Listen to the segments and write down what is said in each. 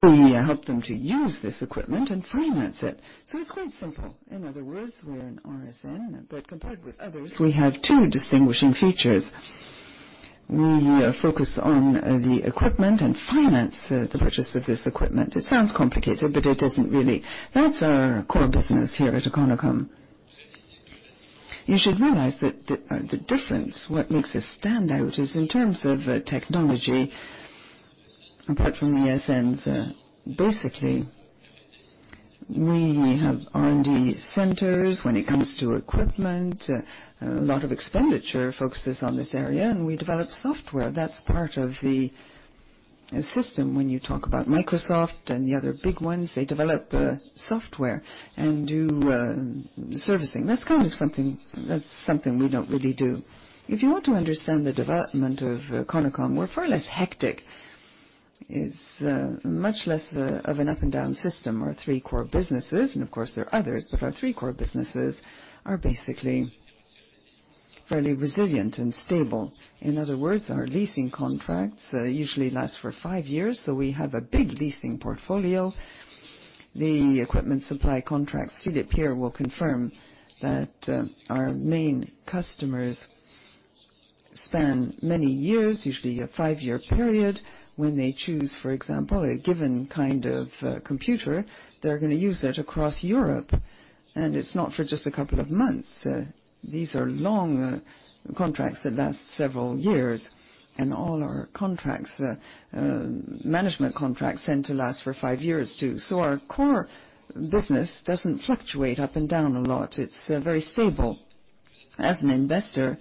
We help them to use this equipment and finance it. It's quite simple. In other words, we're an ESN. Compared with others, we have two distinguishing features. We focus on the equipment and finance the purchase of this equipment. It sounds complicated, it isn't really. That's our core business here at Econocom. You should realize that the difference, what makes us stand out is in terms of technology, apart from the ESNs, basically, we have R&D centers when it comes to equipment. A lot of expenditure focuses on this area. We develop software. That's part of the system. When you talk about Microsoft and the other big ones, they develop software and do servicing. That's something we don't really do. If you want to understand the development of Econocom, we're far less hectic. It's much less of an up-and-down system. Our three core businesses, and of course, there are others, but our three core businesses are basically fairly resilient and stable. In other words, our leasing contracts usually last for 5 years, so we have a big leasing portfolio. The equipment supply contracts, Philippe here will confirm that our main customers span many years, usually a 5-year period. When they choose, for example, a given kind of computer, they're gonna use that across Europe, and it's not for just a couple of months. These are long contracts that last several years. And all our contracts, management contracts tend to last for 5 years, too. Our core business doesn't fluctuate up and down a lot. It's very stable. As an investor,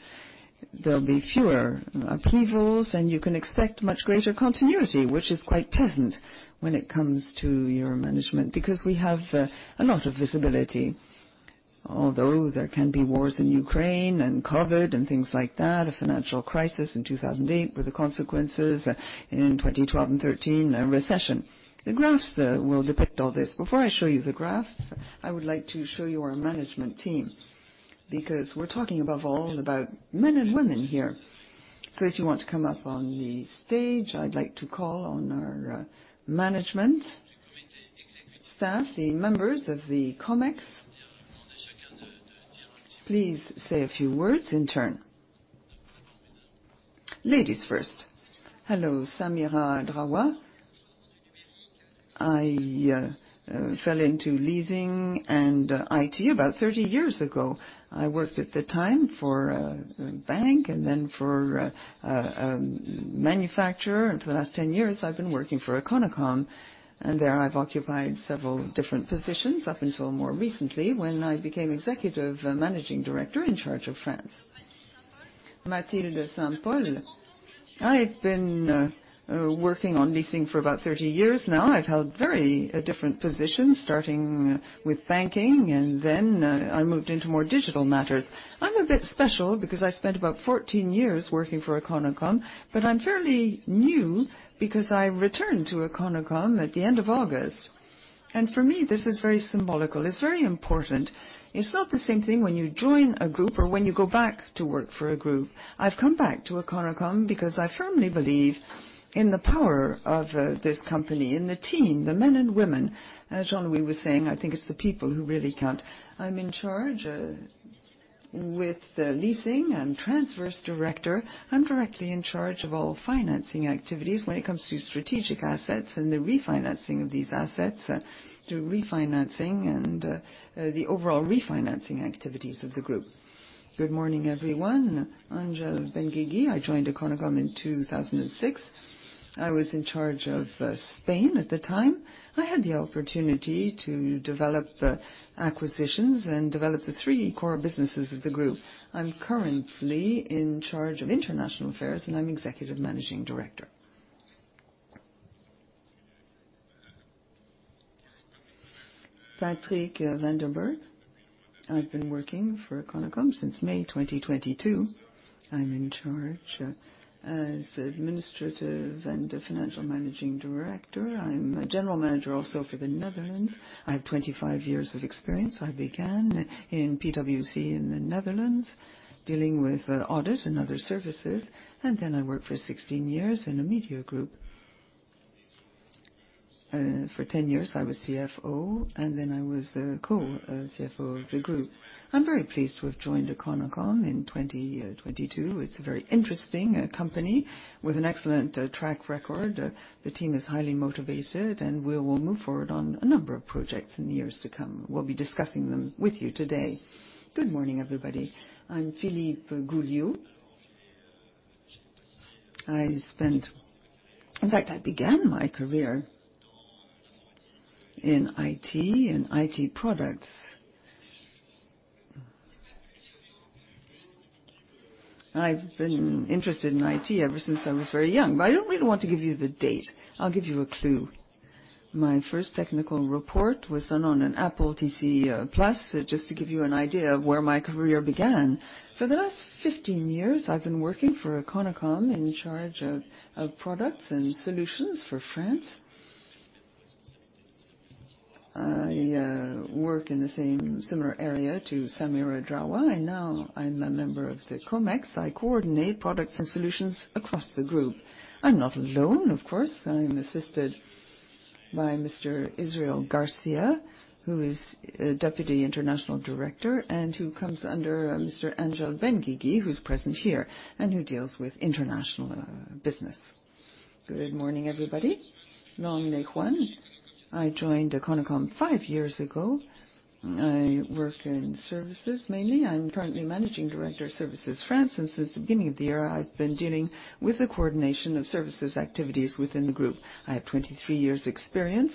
there'll be fewer upheavals, you can expect much greater continuity, which is quite pleasant when it comes to your management, because we have a lot of visibility. Although there can be wars in Ukraine and COVID and things like that, a financial crisis in 2008 with the consequences in 2012 and 2013, a recession. The graphs, though, will depict all this. Before I show you the graphs, I would like to show you our management team because we're talking above all about men and women here. If you want to come up on the stage, I'd like to call on our management staff, the members of the Comex. Please say a few words in turn. Ladies first. Hello, Samira Draoua. I fell into leasing and IT about 30 years ago. I worked at the time for a bank and then for a manufacturer. For the last 10 years, I've been working for Econocom, and there I've occupied several different positions up until more recently when I became Executive Managing Director in charge of France. Mathilde de Saint Pol. I've been working on leasing for about 30 years now. I've held very different positions, starting with banking, and then I moved into more digital matters. I'm a bit special because I spent about 14 years working for Econocom, but I'm fairly new because I returned to Econocom at the end of August. For me, this is very symbolical. It's very important. It's not the same thing when you join a group or when you go back to work for a group. I've come back to Econocom because I firmly believe in the power of this company and the team, the men and women. As Jean-Louis was saying, I think it's the people who really count. I'm in charge with the leasing and transverse director. I'm directly in charge of all financing activities when it comes to strategic assets and the refinancing of these assets through refinancing and the overall refinancing activities of the group. Good morning, everyone. Angel Benguigui. I joined Econocom in 2006. I was in charge of Spain at the time. I had the opportunity to develop acquisitions and develop the three core businesses of the group. I'm currently in charge of international affairs, and I'm Executive Managing Director. Patrick van den Bergh. I've been working for Econocom since May 2022. I'm in charge as Administrative and Financial Managing Director. I'm General Manager also for the Netherlands. I have 25 years of experience. I began in PwC in the Netherlands, dealing with audit and other services. I worked for 16 years in a media group. For 10 years, I was CFO, and then I was the co-CFO of the group. I'm very pleased to have joined Econocom in 2022. It's a very interesting company with an excellent track record. The team is highly motivated, and we will move forward on a number of projects in the years to come. We'll be discussing them with you today. Good morning, everybody. I'm Philippe Goullioud. In fact, I began my career in IT and IT products. I've been interested in IT ever since I was very young, but I don't really want to give you the date. I'll give you a clue. My first technical report was done on an Apple IIc Plus, just to give you an idea of where my career began. For the last 15 years, I've been working for Econocom in charge of products and solutions for France. I work in the same similar area to Samira Draoua, now I'm a member of the Comex. I coordinate products and solutions across the group. I'm not alone, of course. I'm assisted by Mr. Israel Garcia, who is Deputy International Director and who comes under Mr. Angel Benguigui, who's present here and who deals with international business. Good morning, everybody. Long Nguyen. I joined Econocom 5 years ago. I work in services, mainly. I'm currently Managing Director of Services France, since the beginning of the year, I've been dealing with the coordination of services activities within the group. I have 23 years experience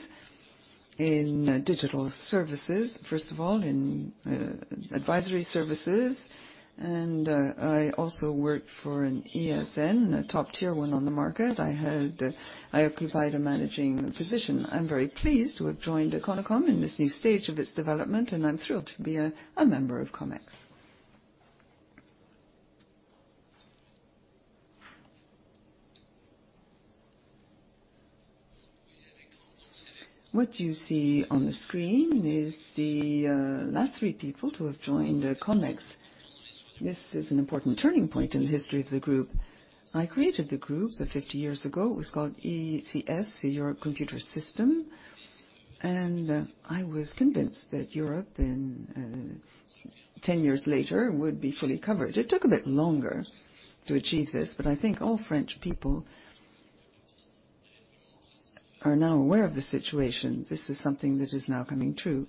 in digital services. First of all, in advisory services, I also work for an ESN, a top-tier one on the market. I occupied a managing position. I'm very pleased to have joined Econocom in this new stage of its development, and I'm thrilled to be a member of Comex. What you see on the screen is the last three people to have joined the Comex. This is an important turning point in the history of the group. I created the group 50 years ago. It was called ECS, Europe Computer Systems, I was convinced that Europe in 10 years later would be fully covered. It took a bit longer to achieve this, I think all French people are now aware of the situation. This is something that is now coming true,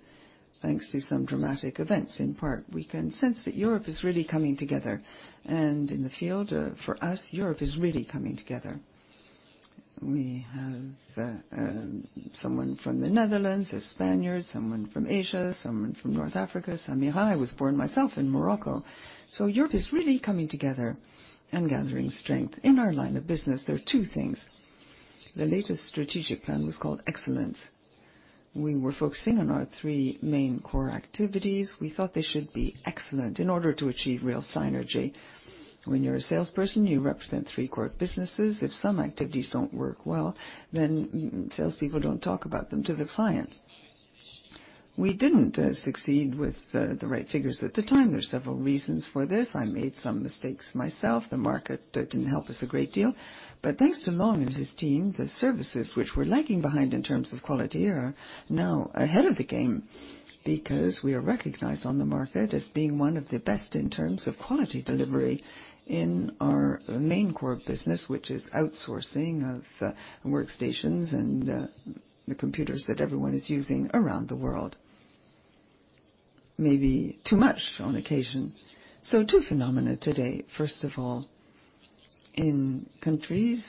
thanks to some dramatic events in part. We can sense that Europe is really coming together. In the field, for us, Europe is really coming together. We have someone from the Netherlands, a Spaniard, someone from Asia, someone from North Africa, Samira. I was born myself in Morocco. Europe is really coming together and gathering strength. In our line of business, there are two things. The latest strategic plan was called Excellence. We were focusing on our three main core activities. We thought they should be excellent in order to achieve real synergy. When you're a salesperson, you represent three core businesses. If some activities don't work well, sales people don't talk about them to the client. We didn't succeed with the right figures at the time. There's several reasons for this. I made some mistakes myself. The market didn't help us a great deal. Thanks to Long and his team, the services which were lagging behind in terms of quality are now ahead of the game because we are recognized on the market as being one of the best in terms of quality delivery in our main core business, which is outsourcing of workstations and the computers that everyone is using around the world. Maybe too much on occasion. 2 phenomena today. First of all, in countries,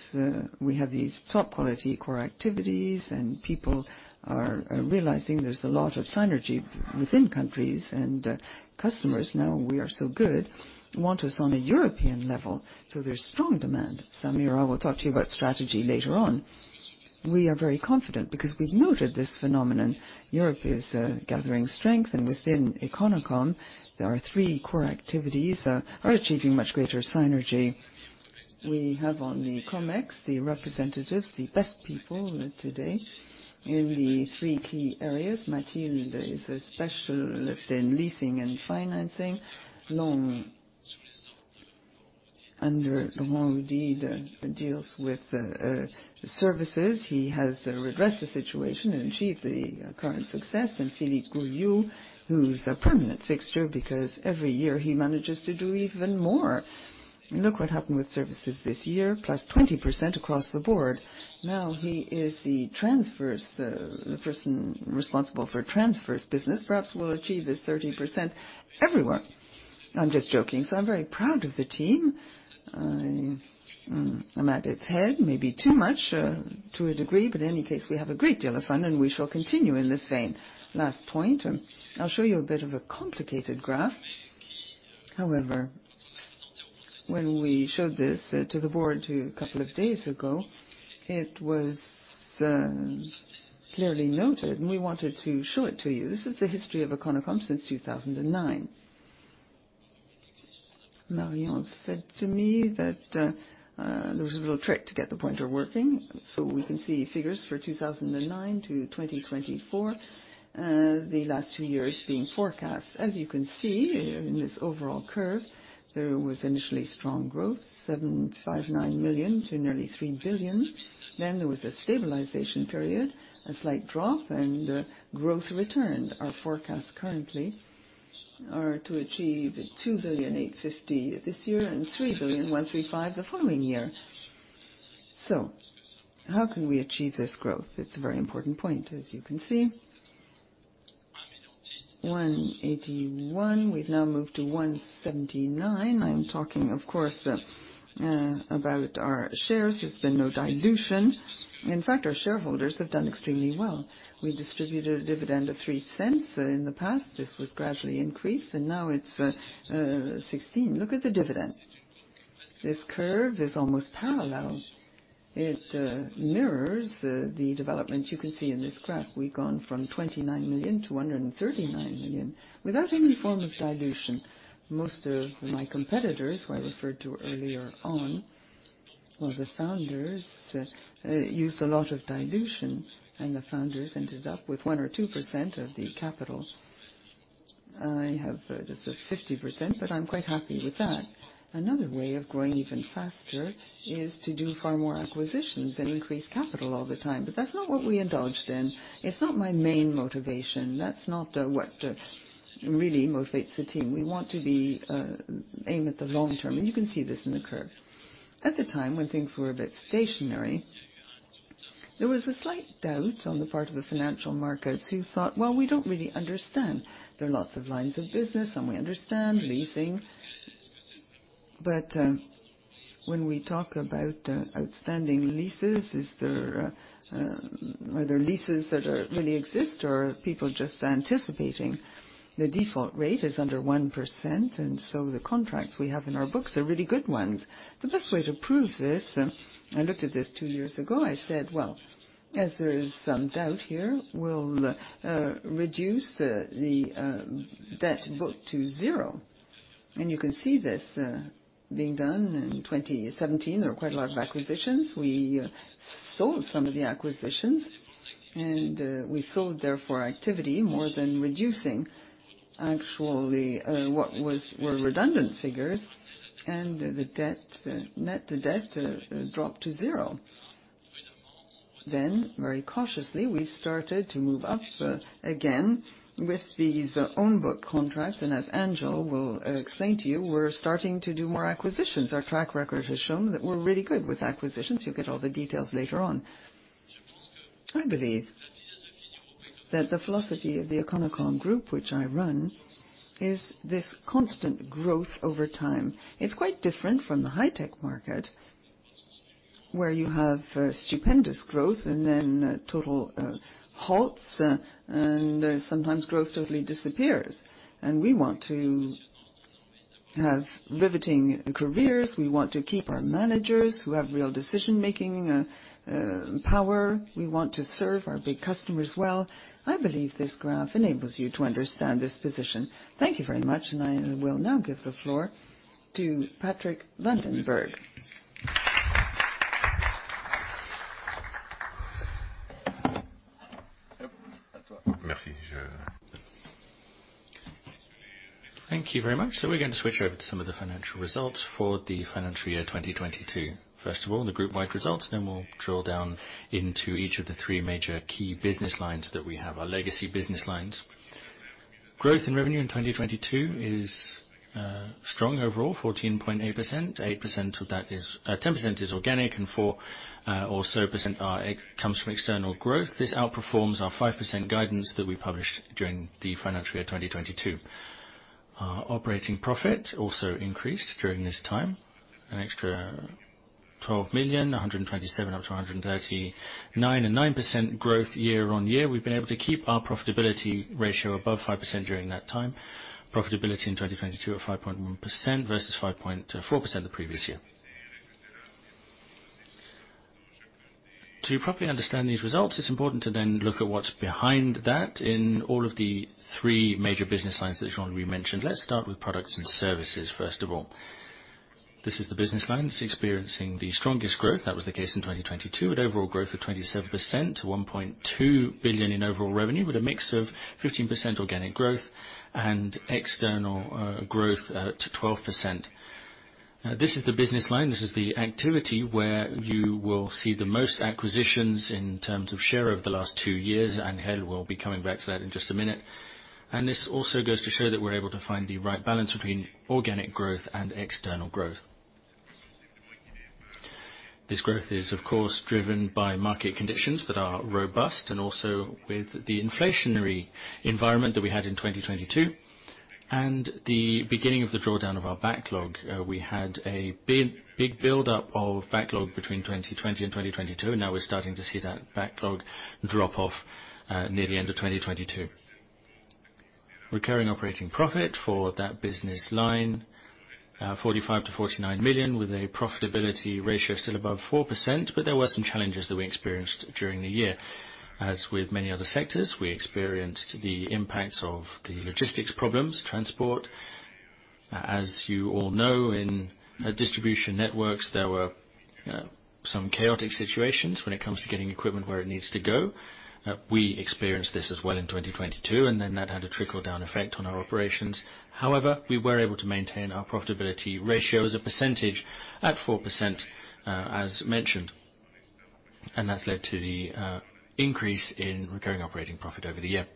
we have these top-quality core activities, and people are realizing there's a lot of synergy within countries. Customers know we are so good, want us on a European level, so there's strong demand. Samira will talk to you about strategy later on. We are very confident because we've noted this phenomenon. Europe is gathering strength, and within Econocom, there are three core activities are achieving much greater synergy. We have on the Comex, the representatives, the best people today in the three key areas. Mathilde is a specialist in leasing and financing. Long, under Laurent Daudré, deals with services. He has redressed the situation and achieved the current success. Philippe Goullioud, who's a permanent fixture because every year he manages to do even more. Look what happened with services this year, plus 20% across the board. Now he is the transverse, the person responsible for transverse business. Perhaps we'll achieve this 30% everywhere. I'm just joking. I'm very proud of the team. I'm at its head, maybe too much to a degree, any case, we have a great deal of fun, we shall continue in this vein. Last point, I'll show you a bit of a complicated graph. When we showed this to the board a couple of days ago, it was clearly noted, we wanted to show it to you. This is the history of Econocom since 2009. Marion said to me that there was a little trick to get the pointer working, we can see figures for 2009 to 2024, the last two years being forecast. As you can see in this overall curve, there was initially strong growth, 759 million to nearly 3 billion. There was a stabilization period, a slight drop, growth returned. Our forecasts currently are to achieve 2.85 billion this year and 3.135 billion the following year. How can we achieve this growth? It's a very important point, as you can see. 181. We've now moved to 179. I'm talking, of course, about our shares. There's been no dilution. In fact, our shareholders have done extremely well. We distributed a dividend of 0.03 in the past. This was gradually increased, and now it's 0.16. Look at the dividend. This curve is almost parallel. It mirrors the development you can see in this graph. We've gone from 29 million to 139 million without any form of dilution. Most of my competitors, who I referred to earlier on. Well, the founders used a lot of dilution. The founders ended up with 1% or 2% of the capital. I have just 50%, but I'm quite happy with that. Another way of growing even faster is to do far more acquisitions and increase capital all the time. That's not what we indulged in. It's not my main motivation. That's not what really motivates the team. We want to be aim at the long term. You can see this in the curve. At the time when things were a bit stationary, there was a slight doubt on the part of the financial markets who thought, "Well, we don't really understand. There are lots of lines of business. We understand leasing, but when we talk about outstanding leases, Are there leases that are really exist, or are people just anticipating? The default rate is under 1%. The contracts we have in our books are really good ones. The best way to prove this, I looked at this 2 years ago, I said, "Well, as there is some doubt here, we'll reduce the debt book to 0." You can see this being done in 2017. There were quite a lot of acquisitions. We sold some of the acquisitions. We sold therefore activity more than reducing actually, were redundant figures. The debt, net debt dropped to 0. Very cautiously, we started to move up again with these on-book contracts, and as Angel will explain to you, we're starting to do more acquisitions. Our track record has shown that we're really good with acquisitions. You'll get all the details later on. I believe that the philosophy of the Econocom Group, which I run, is this constant growth over time. It's quite different from the high-tech market, where you have stupendous growth and then total halts, and sometimes growth totally disappears. We want to have riveting careers. We want to keep our managers who have real decision-making power. We want to serve our big customers well. I believe this graph enables you to understand this position. Thank you very much, and I will now give the floor to Patrick van den Berg. Merci. Thank you very much. We're going to switch over to some of the financial results for the financial year 2022. First of all, the group-wide results, then we'll drill down into each of the three major key business lines that we have, our legacy business lines. Growth in revenue in 2022 is strong overall, 14.8%. 8% of that is. 10% is organic, and 4 or so percent comes from external growth. This outperforms our 5% guidance that we published during the financial year 2022. Our operating profit also increased during this time, an extra 12 million, 127 up to 139, a 9% growth year-on-year. We've been able to keep our profitability ratio above 5% during that time. Profitability in 2022 at 5.1% versus 5.4% the previous year. To properly understand these results, it's important to then look at what's behind that in all of the three major business lines that Jean-Louis mentioned. Let's start with products and services first of all. This is the business line that's experiencing the strongest growth. That was the case in 2022, with overall growth of 27% to 1.2 billion in overall revenue, with a mix of 15% organic growth and external growth to 12%. This is the business line. This is the activity where you will see the most acquisitions in terms of share over the last 2 years. Angel will be coming back to that in just a minute. This also goes to show that we're able to find the right balance between organic growth and external growth. This growth is, of course, driven by market conditions that are robust and also with the inflationary environment that we had in 2022 and the beginning of the drawdown of our backlog. We had a big buildup of backlog between 2020 and 2022. Now we're starting to see that backlog drop off near the end of 2022. Recurring operating profit for that business line, 45 million-49 million, with a profitability ratio still above 4%. There were some challenges that we experienced during the year. As with many other sectors, we experienced the impacts of the logistics problems, transport. As you all know, in distribution networks, there were some chaotic situations when it comes to getting equipment where it needs to go. We experienced this as well in 2022, and then that had a trickle-down effect on our operations. However, we were able to maintain our profitability ratio as a percentage at 4%, as mentioned. That's led to the increase in recurring operating profit over the year.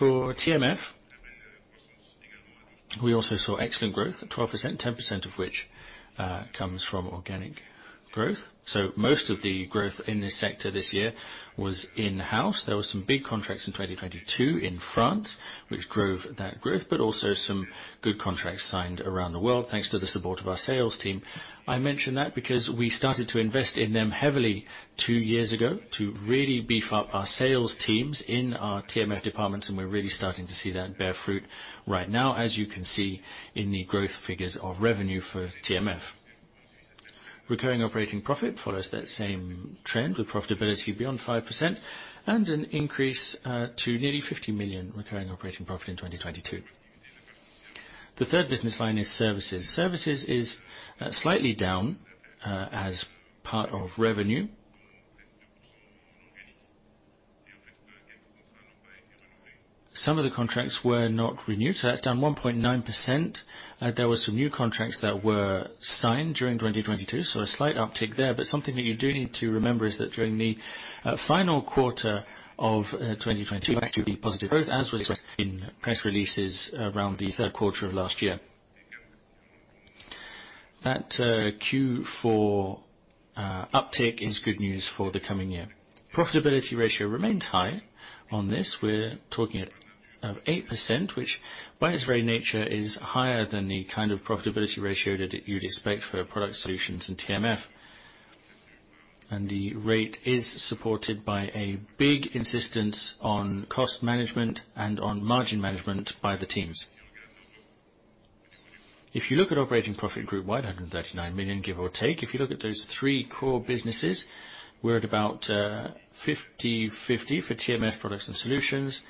For TMF, we also saw excellent growth at 12%, 10% of which comes from organic growth. Most of the growth in this sector this year was in-house. There were some big contracts in 2022 in France, which drove that growth, but also some good contracts signed around the world, thanks to the support of our sales team. I mention that because we started to invest in them heavily two years ago to really beef up our sales teams in our TMF departments, and we're really starting to see that bear fruit right now, as you can see in the growth figures of revenue for TMF. Recurring operating profit follows that same trend, with profitability beyond 5% and an increase to nearly 50 million recurring operating profit in 2022. The third business line is services. Services is slightly down as part of revenue. Some of the contracts were not renewed, so that's down 1.9%. There were some new contracts that were signed during 2022, so a slight uptick there. Something that you do need to remember is that during the final quarter of 2020 as was discussed in press releases around the 3rd quarter of last year. That Q4 uptick is good news for the coming year. Profitability ratio remains high on this. We're talking at, of 8%, which, by its very nature, is higher than the kind of profitability ratio that you'd expect for Product, Solutions and TMF. The rate is supported by a big insistence on cost management and on margin management by the teams. If you look at operating profit group wide, 139 million, give or take. If you look at those three core businesses, we're at about 50/50 for TMF Products and Solutions,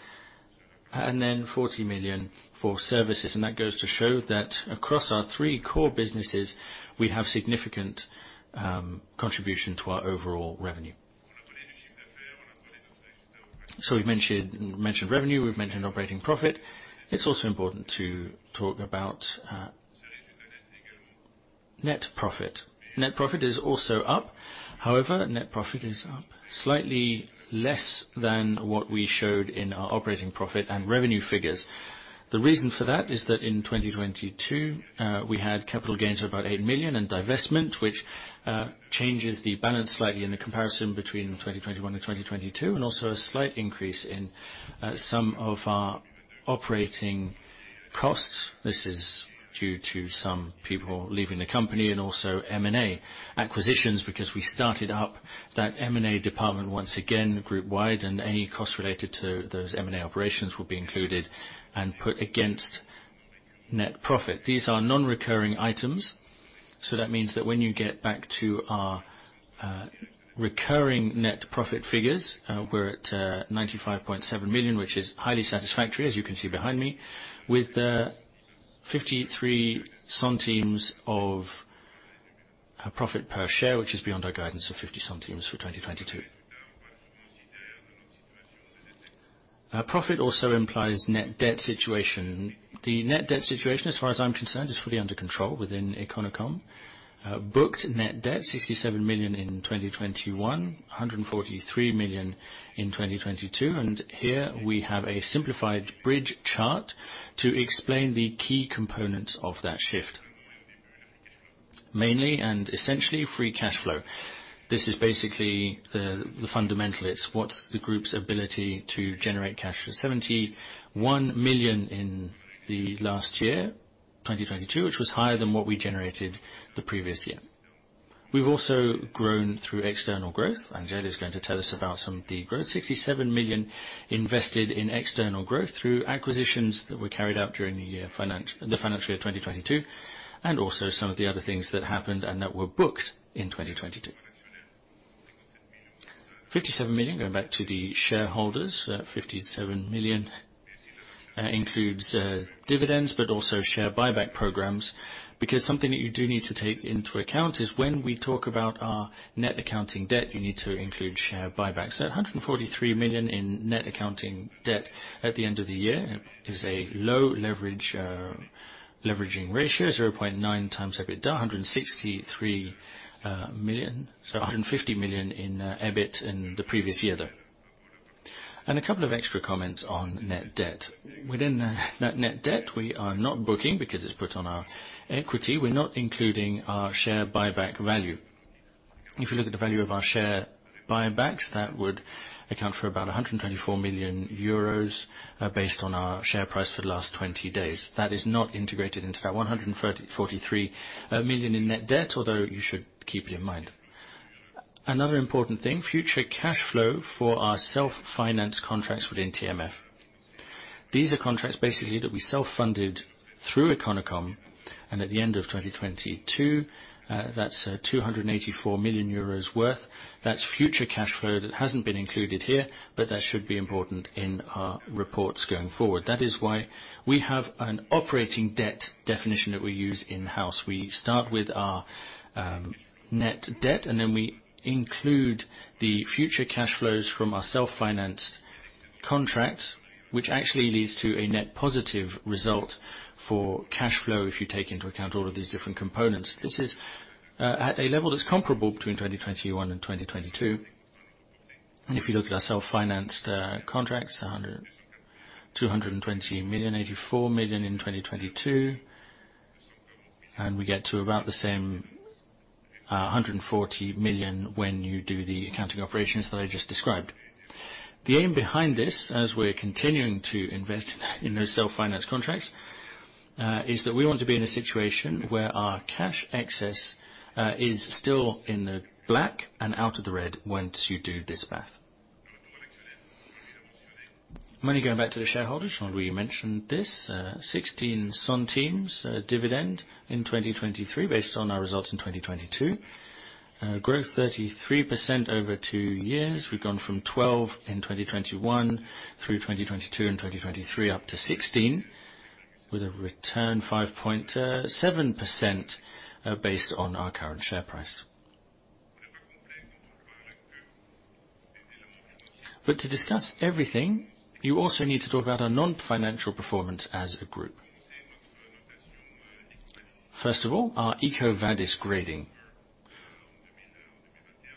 and then 40 million for services. That goes to show that across our three core businesses, we have significant contribution to our overall revenue. We've mentioned revenue, we've mentioned operating profit. It's also important to talk about net profit. Net profit is also up. However, net profit is up slightly less than what we showed in our operating profit and revenue figures. The reason for that is that in 2022, we had capital gains of about 8 million in divestment, which changes the balance slightly in the comparison between 2021 and 2022. Also a slight increase in some of our operating costs. This is due to some people leaving the company and also M&A acquisitions, because we started up that M&A department once again group-wide, and any costs related to those M&A operations will be included and put against net profit. These are non-recurring items, so that means that when you get back to our recurring net profit figures, we're at 95.7 million, which is highly satisfactory, as you can see behind me, with 0.53 of profit per share, which is beyond our guidance of 0.50 for 2022. Profit also implies net debt situation. The net debt situation, as far as I'm concerned, is fully under control within Econocom. Booked net debt, 67 million in 2021, 143 million in 2022. Here we have a simplified bridge chart to explain the key components of that shift. Mainly and essentially, free cash flow. This is basically the fundamental. It's what's the group's ability to generate cash. 71 million in the last year, 2022, which was higher than what we generated the previous year. We've also grown through external growth, and Jeanne is going to tell us about some of the growth. 67 million invested in external growth through acquisitions that were carried out during the financial year 2022, and also some of the other things that happened and that were booked in 2022. 57 million, going back to the shareholders. 57 million includes dividends, but also share buyback programs. Something that you do need to take into account is when we talk about our net accounting debt, you need to include share buybacks. 143 million in net accounting debt at the end of the year is a low leverage leveraging ratio, 0.9x EBITDA, 163 million. 150 million in EBIT in the previous year, though. A couple of extra comments on net debt. Within the net debt, we are not booking because it's put on our equity. We're not including our share buyback value. If you look at the value of our share buybacks, that would account for about 124 million euros, based on our share price for the last 20 days. That is not integrated into that 143 million in net debt, although you should keep it in mind. Another important thing, future cash flow for our self-finance contracts within TMF. These are contracts basically that we self-funded through Econocom, at the end of 2022, that's 284 million euros worth. That's future cash flow that hasn't been included here, that should be important in our reports going forward. That is why we have an operating debt definition that we use in-house. We start with our net debt, and then we include the future cash flows from our self-financed contracts, which actually leads to a net positive result for cash flow if you take into account all of these different components. This is at a level that's comparable between 2021 and 2022. If you look at our self-financed contracts, 220 million, 84 million in 2022, and we get to about the same 140 million when you do the accounting operations that I just described. The aim behind this, as we're continuing to invest in those self-finance contracts, is that we want to be in a situation where our cash excess is still in the black and out of the red once you do this math. Money going back to the shareholders, Jean-Louis mentioned this: 16 centimes dividend in 2023 based on our results in 2022. Growth 33% over two years. We've gone from 12 in 2021 through 2022 and 2023 up to 16 with a return 5.7%, based on our current share price. To discuss everything, you also need to talk about our non-financial performance as a group. First of all, our EcoVadis grading.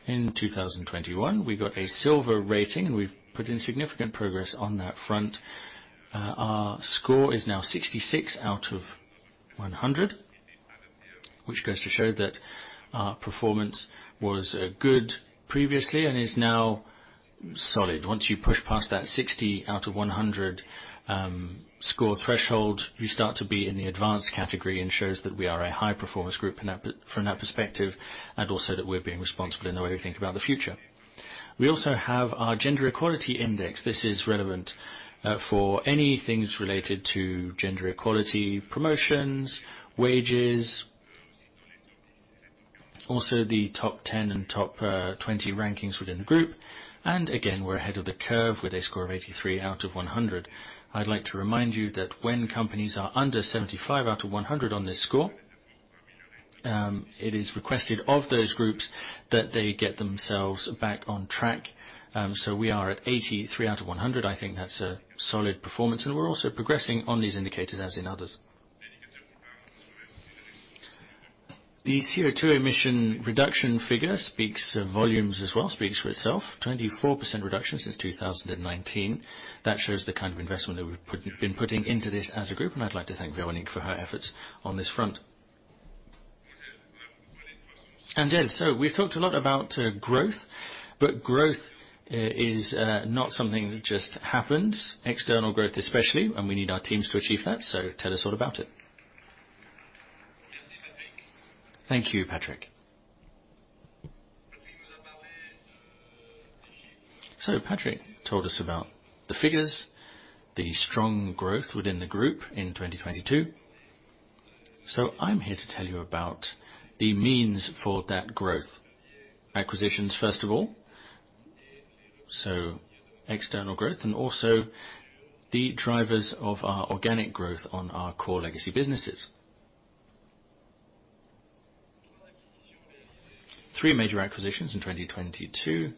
In 2021, we got a silver rating, and we've put in significant progress on that front. Our score is now 66 out of 100, which goes to show that our performance was good previously and is now solid. Once you push past that 60 out of 100 score threshold, you start to be in the advanced category and shows that we are a high-performance group from that perspective, and also that we're being responsible in the way we think about the future. We also have our gender equality index. This is relevant for anything related to gender equality, promotions, wages. Also, the top 10 and top 20 rankings within the group. Again, we're ahead of the curve with a score of 83 out of 100. I'd like to remind you that when companies are under 75 out of 100 on this score, it is requested of those groups that they get themselves back on track. We are at 83 out of 100. I think that's a solid performance, we're also progressing on these indicators as in others. The CO₂ emission reduction figure speaks volumes as well, speaks for itself. 24% reduction since 2019. That shows the kind of investment that we've been putting into this as a group, and I'd like to thank Véronique for her efforts on this front. We've talked a lot about growth, but growth is not something that just happens, external growth especially, we need our teams to achieve that. Tell us all about it. Thank you, Patrick. Patrick told us about the figures, the strong growth within the group in 2022. I'm here to tell you about the means for that growth. Acquisitions, first of all, external growth, and also the drivers of our organic growth on our core legacy businesses. Three major acquisitions in 2022,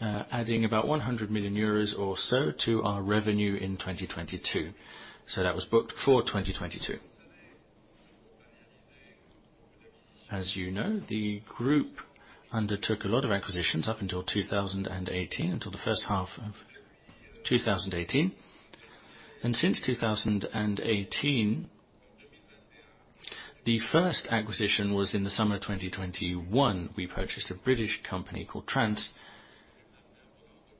adding about 100 million euros or so to our revenue in 2022. That was booked for 2022. the group undertook a lot of acquisitions up until 2018, until the H1 of 2018. Since 2018, the first acquisition was in the summer of 2021. We purchased a British company called Trams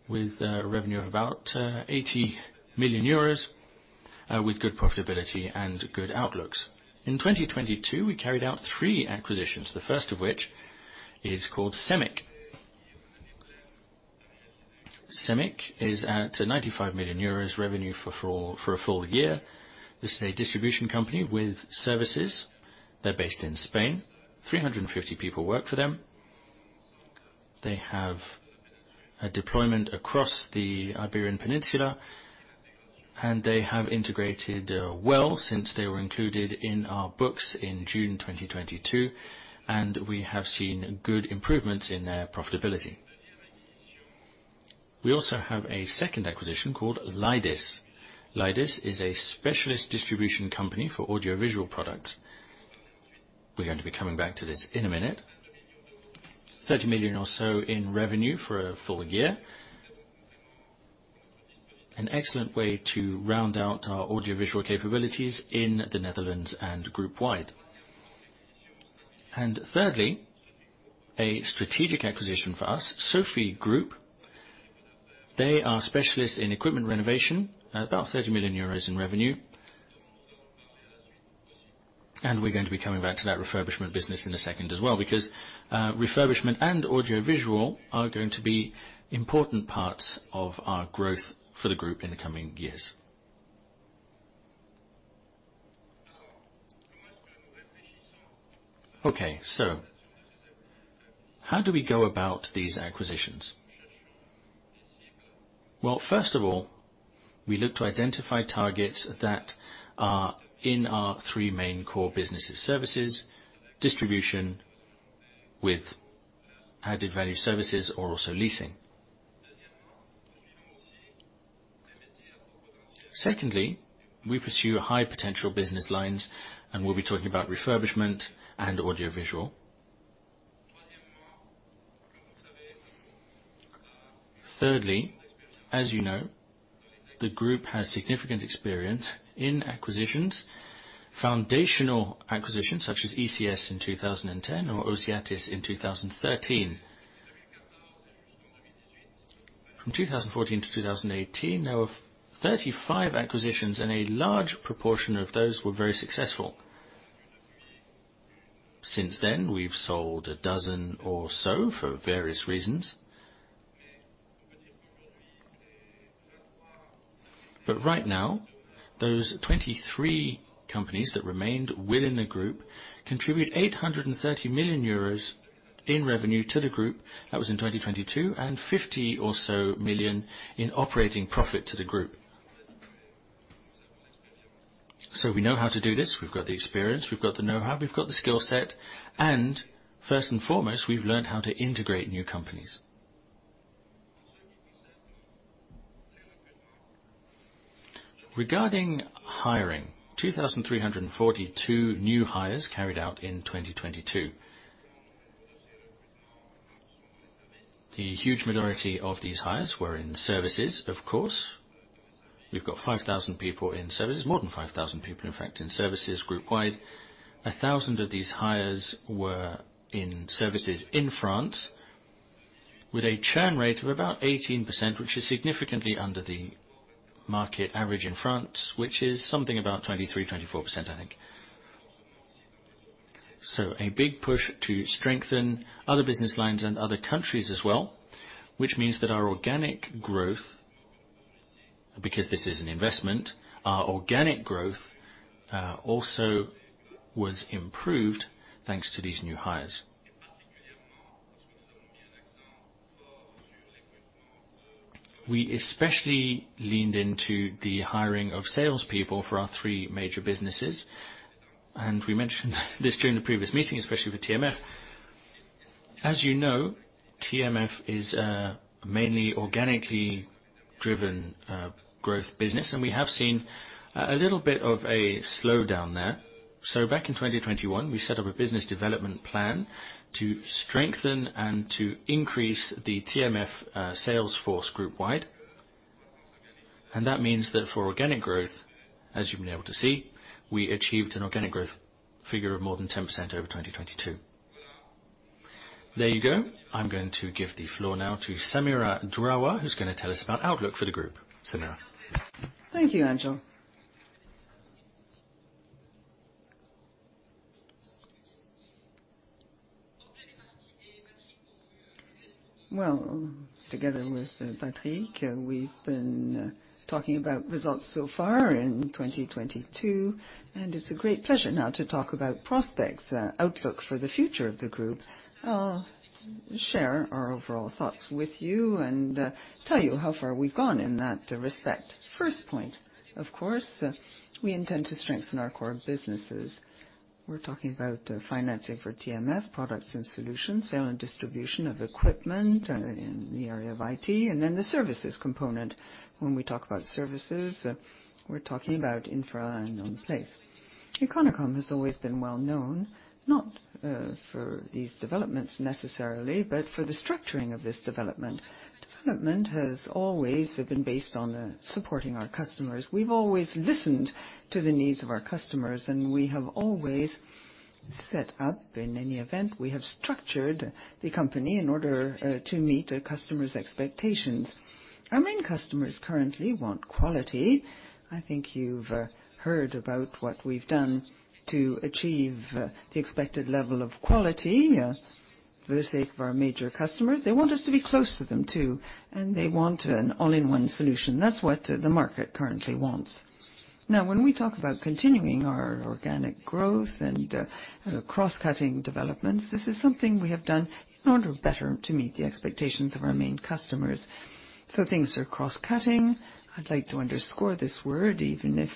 with a revenue of about 80 million euros, with good profitability and good outlooks. In 2022, we carried out three acquisitions, the first of which is called Semic. Semic is at 95 million euros revenue for a full year. This is a distribution company with services. They're based in Spain. 350 people work for them. They have a deployment across the Iberian Peninsula, they have integrated, well since they were included in our books in June 2022, we have seen good improvements in their profitability. We also have a second acquisition called Lydis. Lydis is a specialist distribution company for audiovisual products. We're going to be coming back to this in a minute. 30 million or so in revenue for a full year. An excellent way to round out our audiovisual capabilities in the Netherlands and group wide. Thirdly, a strategic acquisition for us, SOFI Groupe. They are specialists in equipment renovation, at about 30 million euros in revenue. We're going to be coming back to that refurbishment business in a second as well because refurbishment and audiovisual are going to be important parts of our growth for the group in the coming years. How do we go about these acquisitions? First of all, we look to identify targets that are in our three main core businesses: services, distribution with added value services or also leasing. Secondly, we pursue high potential business lines, and we'll be talking about refurbishment and audiovisual. Thirdly, the group has significant experience in acquisitions, foundational acquisitions such as ECS in 2010 or Osiatis in 2013. From 2014 to 2018, there were 35 acquisitions, and a large proportion of those were very successful. Since then, we've sold a dozen or so for various reasons. Right now, those 23 companies that remained within the group contribute 830 million euros in revenue to the group. That was in 2022, and 50 million or so in operating profit to the group. We know how to do this. We've got the experience, we've got the know-how, we've got the skill set, and first and foremost, we've learned how to integrate new companies. Regarding hiring, 2,342 new hires carried out in 2022. The huge majority of these hires were in services, of course. We've got 5,000 people in services, more than 5,000 people, in fact, in services group wide. 1,000 of these hires were in services in France with a churn rate of about 18%, which is significantly under the market average in France, which is something about 23%-24%, I think. A big push to strengthen other business lines and other countries as well, which means that our organic growth, because this is an investment, our organic growth also was improved thanks to these new hires. We especially leaned into the hiring of salespeople for our three major businesses, and we mentioned this during the previous meeting, especially with TMF. TMF is mainly organically driven growth business, and we have seen a little bit of a slowdown there. Back in 2021, we set up a business development plan to strengthen and to increase the TMF sales force group wide. That means that for organic growth, as you've been able to see, we achieved an organic growth figure of more than 10% over 2022. There you go. I'm going to give the floor now to Samira Draoua, who's gonna tell us about outlook for the group. Samira. Thank you, Angel. Well, together with, Patrick, we've been talking about results so far in 2022, and it's a great pleasure now to talk about prospects, outlook for the future of the group. I'll share our overall thoughts with you and tell you how far we've gone in that respect. First point, of course, we intend to strengthen our core businesses. We're talking about, financing for TMF, products and solutions, sale and distribution of equipment, in the area of IT, and then the services component. When we talk about services, we're talking about infra and on-place. Econocom has always been well known, not for these developments necessarily, but for the structuring of this development. Development has always been based on supporting our customers. We've always listened to the needs of our customers. We have always set up, in any event, we have structured the company in order to meet a customer's expectations. Our main customers currently want quality. I think you've heard about what we've done to achieve the expected level of quality for the sake of our major customers. They want us to be close to them, too. They want an all-in-one solution. That's what the market currently wants. When we talk about continuing our organic growth and cross-cutting developments, this is something we have done in order better to meet the expectations of our main customers. Things are cross-cutting. I'd like to underscore this word, even if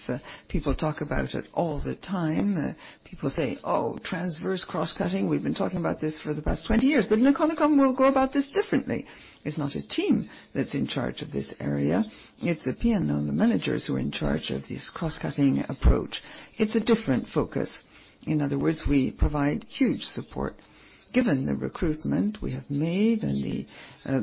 people talk about it all the time. People say, "Oh, transverse cross-cutting. We've been talking about this for the past 20 years. In Econocom, we'll go about this differently. It's not a team that's in charge of this area. It's the P&L and the managers who are in charge of this cross-cutting approach. It's a different focus. In other words, we provide huge support. Given the recruitment we have made and the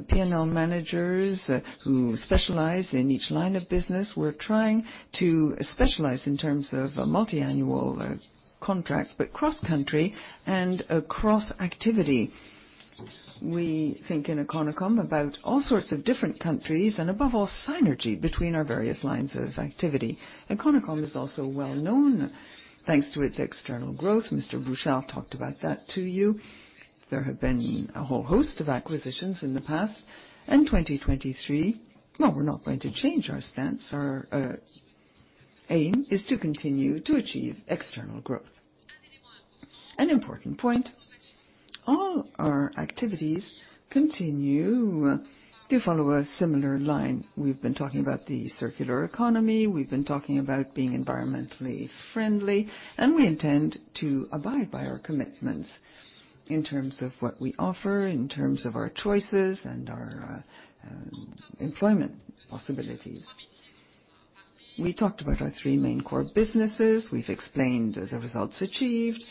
P&L managers who specialize in each line of business, we're trying to specialize in terms of multi-annual contracts, but cross-country and across activity. We think in Econocom about all sorts of different countries and above all, synergy between our various lines of activity. Econocom is also well known thanks to its external growth. Mr. Bouchard talked about that to you. There have been a whole host of acquisitions in the past. In 2023, well, we're not going to change our stance. Our aim is to continue to achieve external growth. An important point, all our activities continue to follow a similar line. We've been talking about the circular economy, we've been talking about being environmentally friendly, and we intend to abide by our commitments in terms of what we offer, in terms of our choices and our employment possibilities. We talked about our three main core businesses. We've explained the results achieved.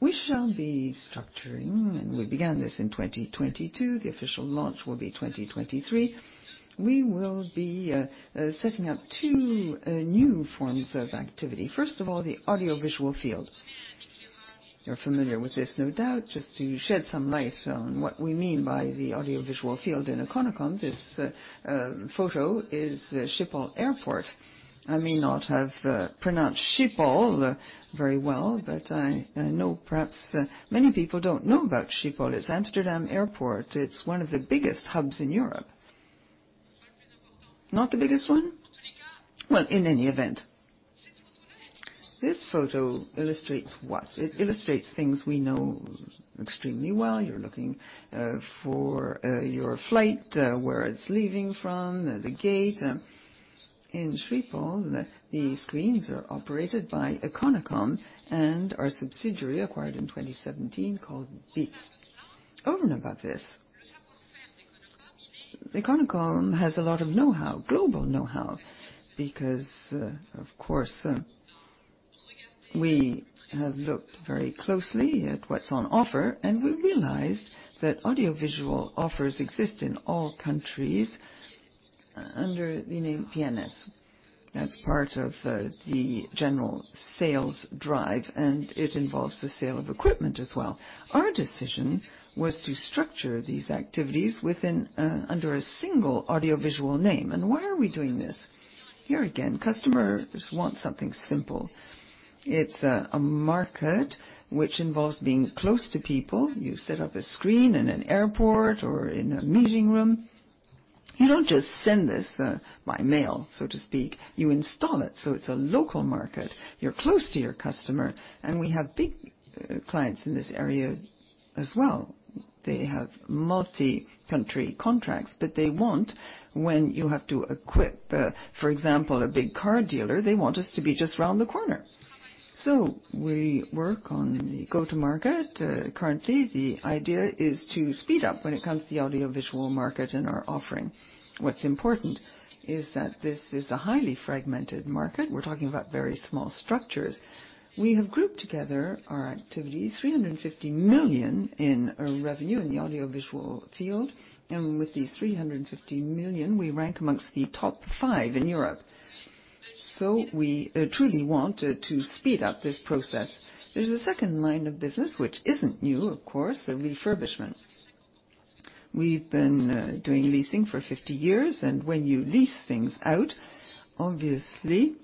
We shall be structuring, and we began this in 2022. The official launch will be 2023. We will be setting up two new forms of activity. First of all, the audiovisual field. You're familiar with this, no doubt. Just to shed some light on what we mean by the audiovisual field in Econocom. This photo is Schiphol Airport. I may not have pronounced Schiphol very well, but I know perhaps many people don't know about Schiphol. It's Amsterdam Airport. It's one of the biggest hubs in Europe. Not the biggest one? In any event, this photo illustrates what? It illustrates things we know extremely well. You're looking for your flight, where it's leaving from, the gate. In Schiphol, the screens are operated by Econocom and our subsidiary acquired in 2017 called BIS. Over and above this, Econocom has a lot of know-how, global know-how, because of course, we have looked very closely at what's on offer, and we realized that audiovisual offers exist in all countries under the name PNS. That's part of the general sales drive, and it involves the sale of equipment as well. Our decision was to structure these activities within, under a single audiovisual name. Why are we doing this? Here again, customers want something simple. It's a market which involves being close to people. You set up a screen in an airport or in a meeting room. You don't just send this by mail, so to speak. You install it. It's a local market. You're close to your customer, and we have big clients in this area as well. They have multi-country contracts, but they want, when you have to equip, for example, a big car dealer, they want us to be just around the corner. We work on the go-to-market. Currently the idea is to speed up when it comes to the audiovisual market and our offering. What's important is that this is a highly fragmented market. We're talking about very small structures. We have grouped together our activities, 350 million in revenue in the audiovisual field. With these 350 million, we rank amongst the top five in Europe. We truly want to speed up this process. There's a second line of business which isn't new, of course, refurbishment. We've been doing leasing for 50 years. When you lease things out, obviously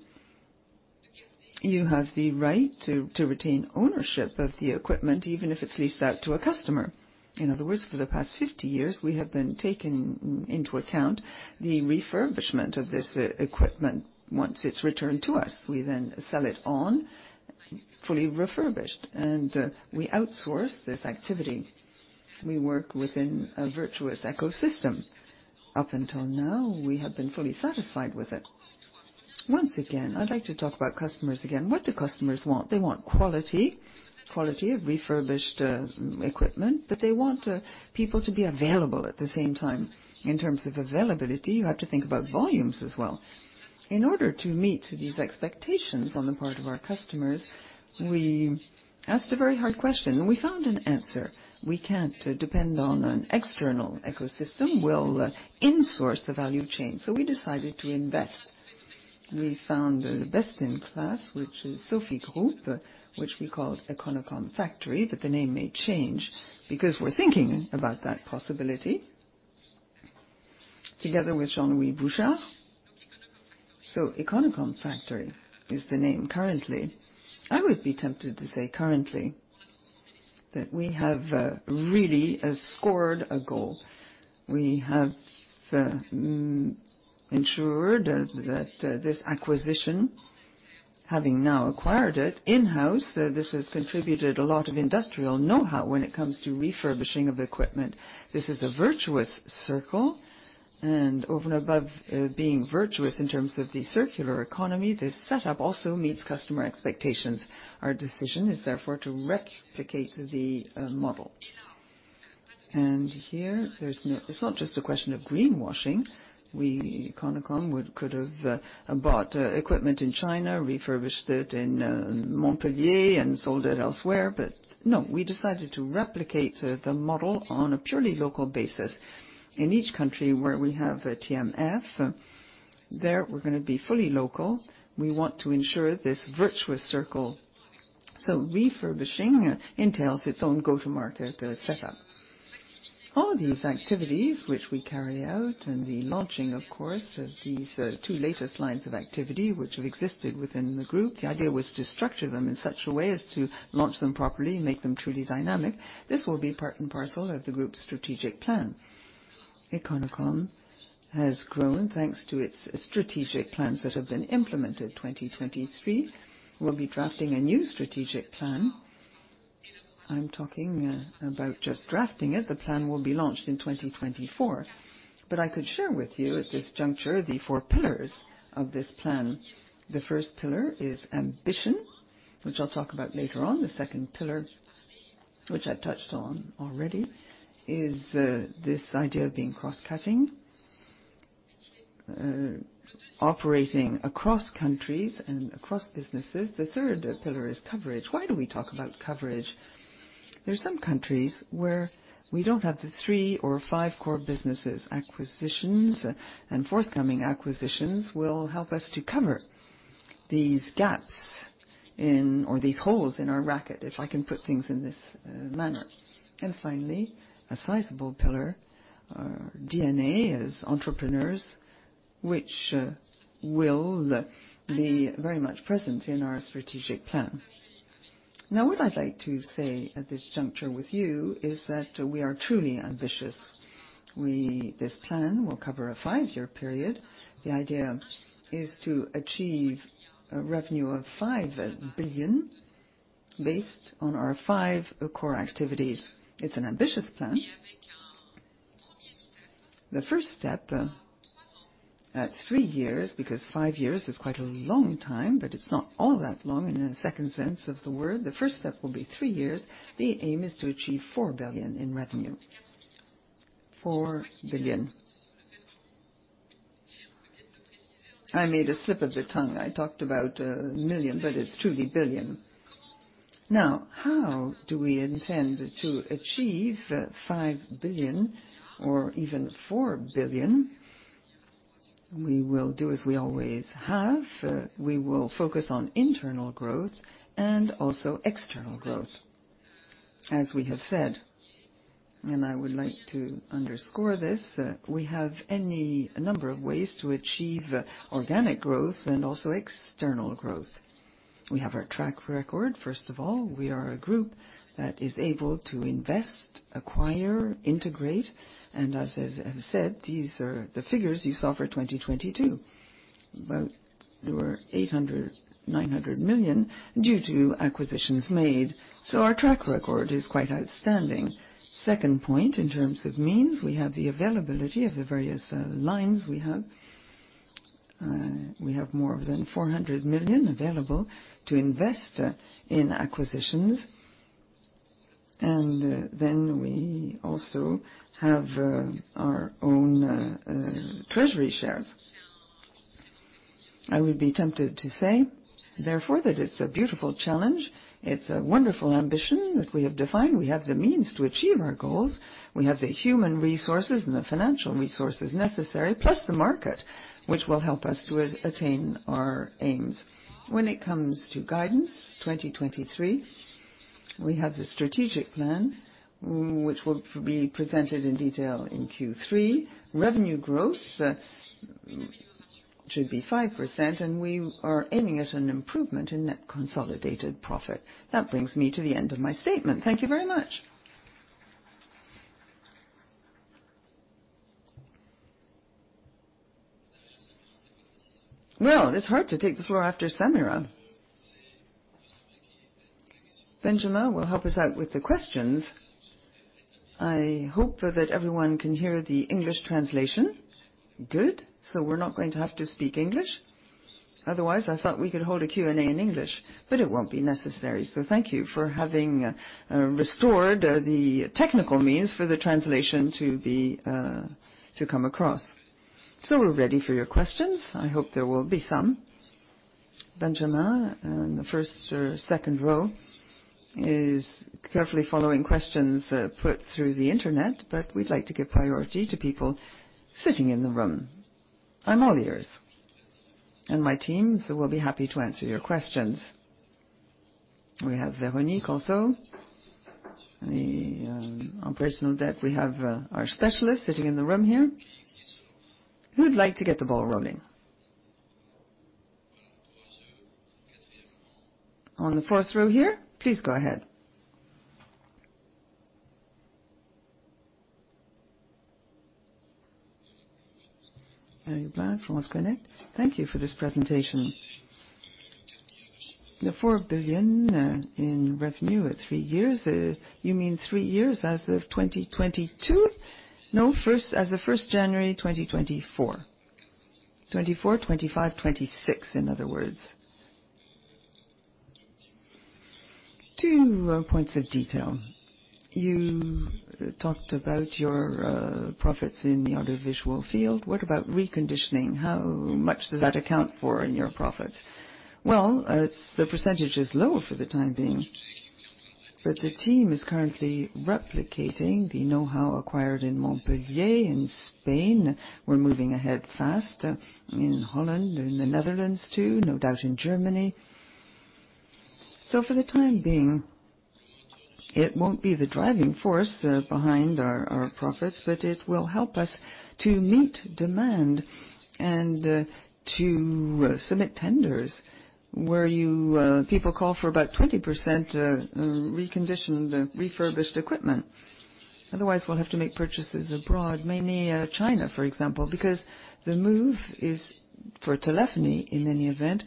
you have the right to retain ownership of the equipment, even if it's leased out to a customer. In other words, for the past 50 years, we have been taking into account the refurbishment of this equipment. Once it's returned to us, we then sell it on, fully refurbished. We outsource this activity. We work within a virtuous ecosystem. Up until now, we have been fully satisfied with it. Once again, I'd like to talk about customers again. What do customers want? They want quality of refurbished equipment, but they want people to be available at the same time. In terms of availability, you have to think about volumes as well. In order to meet these expectations on the part of our customers, we asked a very hard question. We found an answer. We can't depend on an external ecosystem. We'll insource the value chain. We decided to invest. We found the best in class, which is SOFI Groupe, which we call Econocom Factory, but the name may change because we're thinking about that possibility together with Jean-Louis Bouchard. Econocom Factory is the name currently. I would be tempted to say currently that we have really scored a goal. We have ensured that this acquisition, having now acquired it in-house, this has contributed a lot of industrial know-how when it comes to refurbishing of equipment. This is a virtuous circle. Over and above being virtuous in terms of the circular economy, this setup also meets customer expectations. Our decision is therefore to replicate the model. Here it's not just a question of greenwashing. We, Econocom could've bought equipment in China, refurbished it in Montpellier, and sold it elsewhere. No, we decided to replicate the model on a purely local basis. In each country where we have a TMF, there we're gonna be fully local. We want to ensure this virtuous circle. Refurbishing entails its own go-to-market setup. All these activities which we carry out, and the launching, of course, of these two latest lines of activity which have existed within the group, the idea was to structure them in such a way as to launch them properly and make them truly dynamic. This will be part and parcel of the group's strategic plan. Econocom has grown thanks to its strategic plans that have been implemented. 2023, we'll be drafting a new strategic plan. I'm talking about just drafting it. The plan will be launched in 2024. I could share with you at this juncture the four pillars of this plan. The first pillar is ambition, which I'll talk about later on. The second pillar, which I touched on already, is this idea of being cross-cutting, operating across countries and across businesses. The third pillar is coverage. Why do we talk about coverage? There are some countries where we don't have the three or five core businesses. Acquisitions and forthcoming acquisitions will help us to cover these gaps in, or these holes in our racket, if I can put things in this manner. Finally, a sizable pillar, our DNA as entrepreneurs, which will be very much present in our strategic plan. What I'd like to say at this juncture with you is that we are truly ambitious. This plan will cover a 5-year period. The idea is to achieve a revenue of 5 billion based on our five core activities. It's an ambitious plan. The first step at three years, because five years is quite a long time, but it's not all that long in a second sense of the word. The first step will be three years. The aim is to achieve 4 billion in revenue. 4 billion. I made a slip of the tongue. I talked about million, but it's truly billion. How do we intend to achieve 5 billion or even 4 billion? We will do as we always have. We will focus on internal growth and also external growth. As we have said, and I would like to underscore this, we have any number of ways to achieve organic growth and also external growth. We have our track record, first of all. We are a group that is able to invest, acquire, integrate, and as I have said, these are the figures you saw for 2022. There were 800 million-900 million due to acquisitions made. Our track record is quite outstanding. Second point, in terms of means, we have the availability of the various lines we have. We have more than 400 million available to invest in acquisitions. We also have our own treasury shares. I would be tempted to say therefore that it's a beautiful challenge. It's a wonderful ambition that we have defined. We have the means to achieve our goals. We have the human resources and the financial resources necessary, plus the market, which will help us to attain our aims. When it comes to guidance, 2023, we have the strategic plan, which will be presented in detail in Q3. Revenue growth should be 5%, and we are aiming at an improvement in net consolidated profit. That brings me to the end of my statement. Thank you very much. Well, it's hard to take the floor after Samira. Benjamin will help us out with the questions. I hope that everyone can hear the English translation. Good. We're not going to have to speak English. Otherwise, I thought we could hold a Q&A in English, but it won't be necessary. Thank you for having restored the technical means for the translation to be to come across. We're ready for your questions. I hope there will be some. Benjamin in the first or second row is carefully following questions put through the Internet, but we'd like to give priority to people sitting in the room. I'm all ears, and my team, we'll be happy to answer your questions. We have Véronique also. The operational debt. We have our specialist sitting in the room here. Who'd like to get the ball rolling? On the first row here. Please go ahead. Marie Blanc, France Connect. Thank you for this presentation. The 4 billion in revenue at 3 years, you mean 3 years as of 2022? No. First, as of 1st January 2024. 2024, 2025, 2026, in other words. Two points of detail. You talked about your profits in the audiovisual field. What about reconditioning? How much does that account for in your profit? Well, the percentage is lower for the time being, but the team is currently replicating the know-how acquired in Montpellier, in Spain. We're moving ahead fast in Holland, in the Netherlands too, no doubt in Germany. For the time being, it won't be the driving force behind our profits, but it will help us to meet demand and to submit tenders where you people call for about 20% reconditioned, refurbished equipment. Otherwise, we'll have to make purchases abroad, mainly China, for example, because the move is for telephony in any event.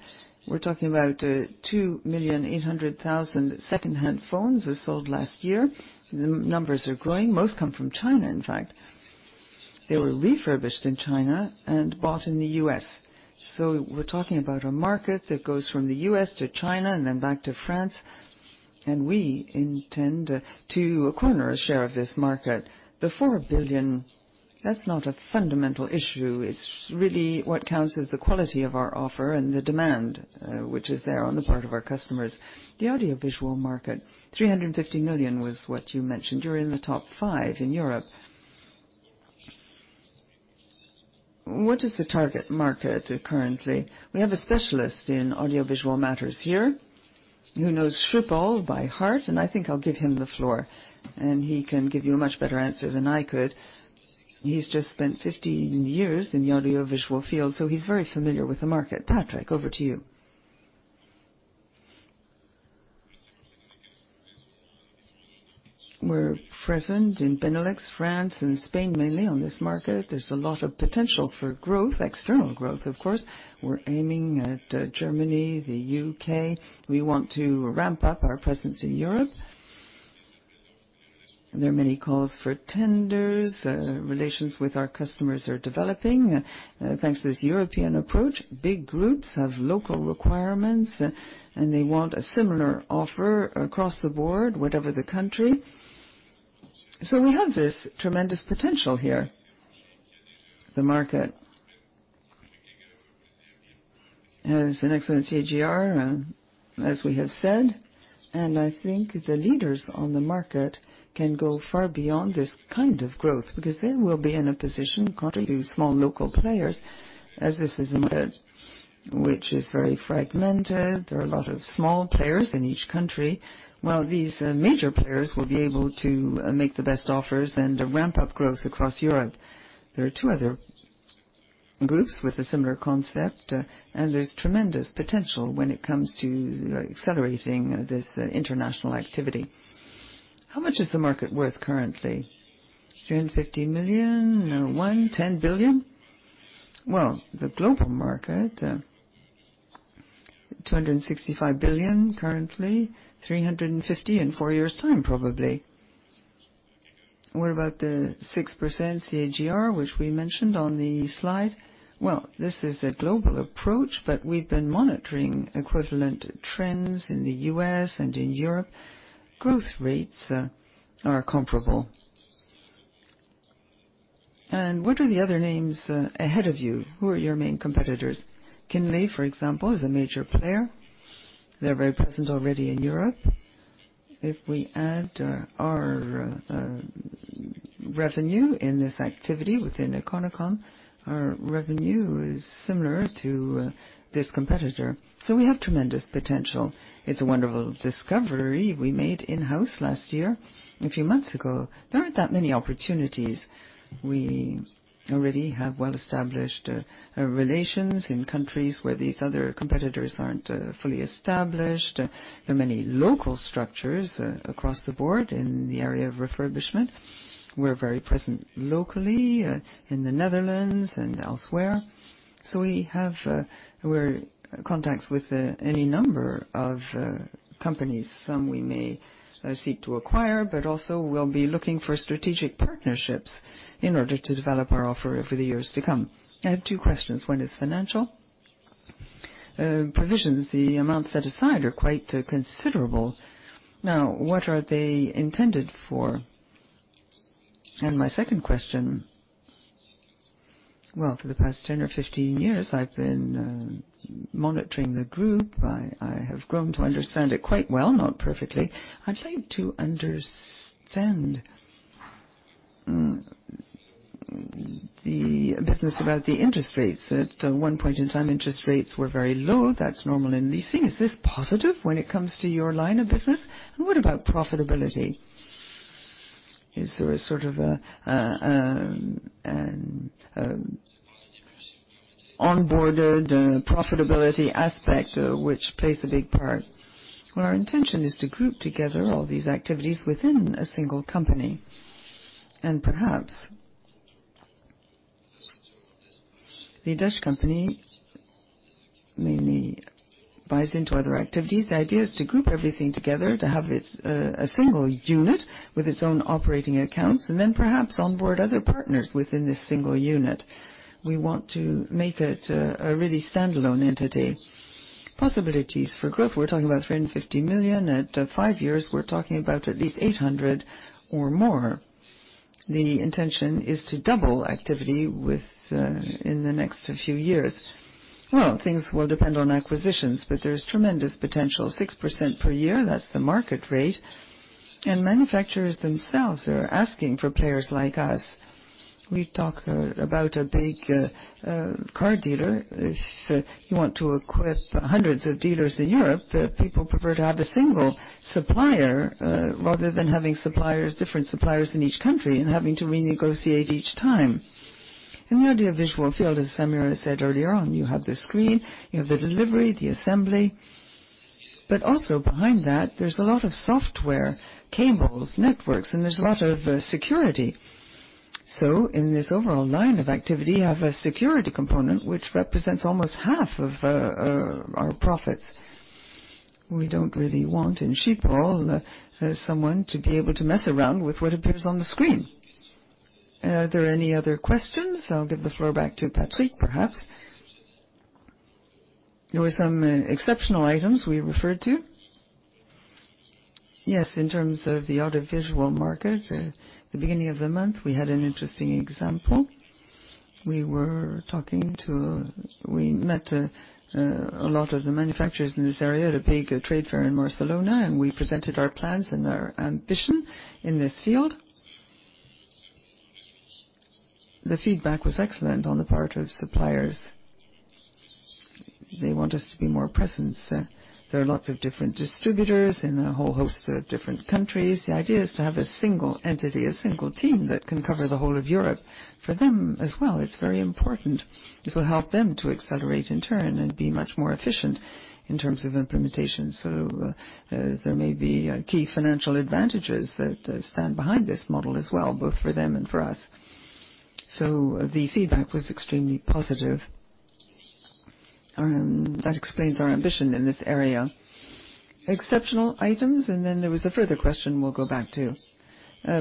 We're talking about 2.8 million second-hand phones were sold last year. The numbers are growing. Most come from China, in fact. They were refurbished in China and bought in the US. We're talking about a market that goes from the U.S. to China and then back to France, and we intend to corner a share of this market. The 4 billion. That's not a fundamental issue. It's really what counts is the quality of our offer and the demand, which is there on the part of our customers. The audiovisual market, 350 million was what you mentioned. You're in the top five in Europe. What is the target market currently? We have a specialist in audiovisual matters here who knows Schiphol by heart, and I think I'll give him the floor, and he can give you a much better answer than I could. He's just spent 15 years in the audiovisual field, so he's very familiar with the market. Patrick, over to you. We're present in Benelux, France, and Spain, mainly on this market. There's a lot of potential for growth, external growth, of course. We're aiming at Germany, the UK. We want to ramp up our presence in Europe. There are many calls for tenders. Relations with our customers are developing, thanks to this European approach. Big groups have local requirements, and they want a similar offer across the board, whatever the country. We have this tremendous potential here. The market has an excellent CAGR, as we have said, and I think the leaders on the market can go far beyond this kind of growth because they will be in a position contrary to small local players, as this is a market which is very fragmented. There are a lot of small players in each country. While these major players will be able to make the best offers and ramp up growth across Europe. There are two other groups with a similar concept, and there's tremendous potential when it comes to accelerating this international activity. How much is the market worth currently? 350 million? One, 10 billion? Well, the global market, 265 billion currently, 350 billion in 4 years' time, probably. What about the 6% CAGR, which we mentioned on the slide? Well, this is a global approach, but we've been monitoring equivalent trends in the U.S. and in Europe. Growth rates are comparable. What are the other names ahead of you? Who are your main competitors? Kinley, for example, is a major player. They're very present already in Europe. If we add our revenue in this activity within Econocom, our revenue is similar to this competitor. We have tremendous potential. It's a wonderful discovery we made in-house last year, a few months ago. There aren't that many opportunities. We already have well-established relations in countries where these other competitors aren't fully established. There are many local structures across the board in the area of refurbishment. We're very present locally in the Netherlands and elsewhere. We have contacts with any number of companies. Some we may seek to acquire, but also we'll be looking for strategic partnerships in order to develop our offer for the years to come. I have two questions. One is financial. Provisions, the amount set aside are quite considerable. What are they intended for? My second question, well, for the past 10 or 15 years, I have grown to understand it quite well, not perfectly. I'd like to understand the business about the interest rates. At one point in time, interest rates were very low. That's normal in leasing. Is this positive when it comes to your line of business? What about profitability? Is there a sort of onboarded profitability aspect which plays a big part? Well, our intention is to group together all these activities within a single company. Perhaps the Dutch company mainly buys into other activities. The idea is to group everything together to have it a single unit with its own operating accounts, and then perhaps onboard other partners within this single unit. We want to make it a really standalone entity. Possibilities for growth. We're talking about 350 million. At five years, we're talking about at least 800 million or more. The intention is to double activity in the next few years. Well, things will depend on acquisitions, but there is tremendous potential, 6% per year. That's the market rate. Manufacturers themselves are asking for players like us. We talk about a big car dealer. If you want to equip hundreds of dealers in Europe, the people prefer to have a single supplier rather than having different suppliers in each country and having to renegotiate each time. In the audiovisual field, as Samir said earlier on, you have the screen, you have the delivery, the assembly. Also behind that, there's a lot of software, cables, networks, and there's a lot of security. In this overall line of activity, you have a security component which represents almost half of our profits. We don't really want in Schiphol someone to be able to mess around with what appears on the screen. Are there any other questions? I'll give the floor back to Patrick, perhaps. There were some exceptional items we referred to. Yes, in terms of the audiovisual market, the beginning of the month, we had an interesting example. We met a lot of the manufacturers in this area at a big trade fair in Barcelona. We presented our plans and our ambition in this field. The feedback was excellent on the part of suppliers. They want us to be more present, sir. There are lots of different distributors in a whole host of different countries. The idea is to have a single entity, a single team that can cover the whole of Europe. For them as well, it's very important. This will help them to accelerate in turn and be much more efficient in terms of implementation. There may be key financial advantages that stand behind this model as well, both for them and for us. The feedback was extremely positive. That explains our ambition in this area. Exceptional items. There was a further question we'll go back to.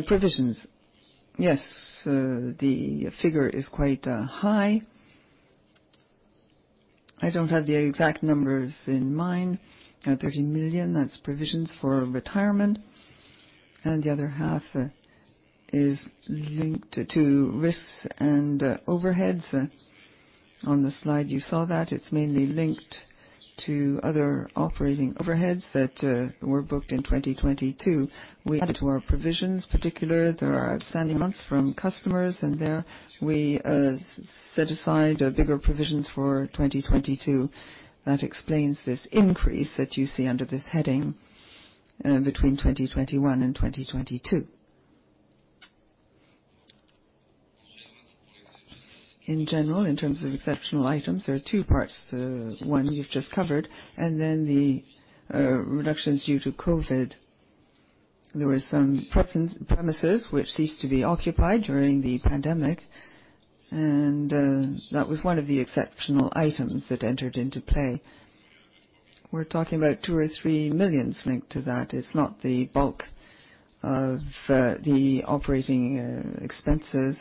Provisions. Yes. The figure is quite high. I don't have the exact numbers in mind. 30 million, that's provisions for retirement, and the other half is linked to risks and overheads. On the slide, you saw that it's mainly linked to other operating overheads that were booked in 2022. We added to our provisions. Particular, there are outstanding months from customers, and there we set aside bigger provisions for 2022. That explains this increase that you see under this heading between 2021 and 2022. In general, in terms of exceptional items, there are two parts. The one you've just covered, the reductions due to COVID. There were some premises which ceased to be occupied during the pandemic, that was one of the exceptional items that entered into play. We're talking about 2 million or 3 million linked to that. It's not the bulk of the operating expenses,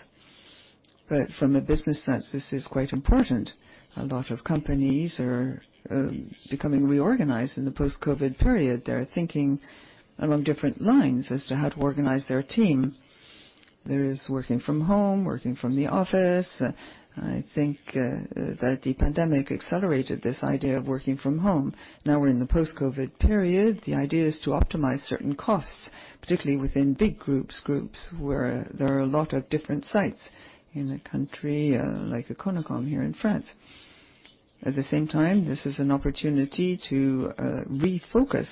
from a business sense, this is quite important. A lot of companies are becoming reorganized in the post-COVID period. They're thinking along different lines as to how to organize their team. There is working from home, working from the office. I think that the pandemic accelerated this idea of working from home. Now we're in the post-COVID period. The idea is to optimize certain costs, particularly within big groups where there are a lot of different sites in a country, like Econocom here in France. At the same time, this is an opportunity to refocus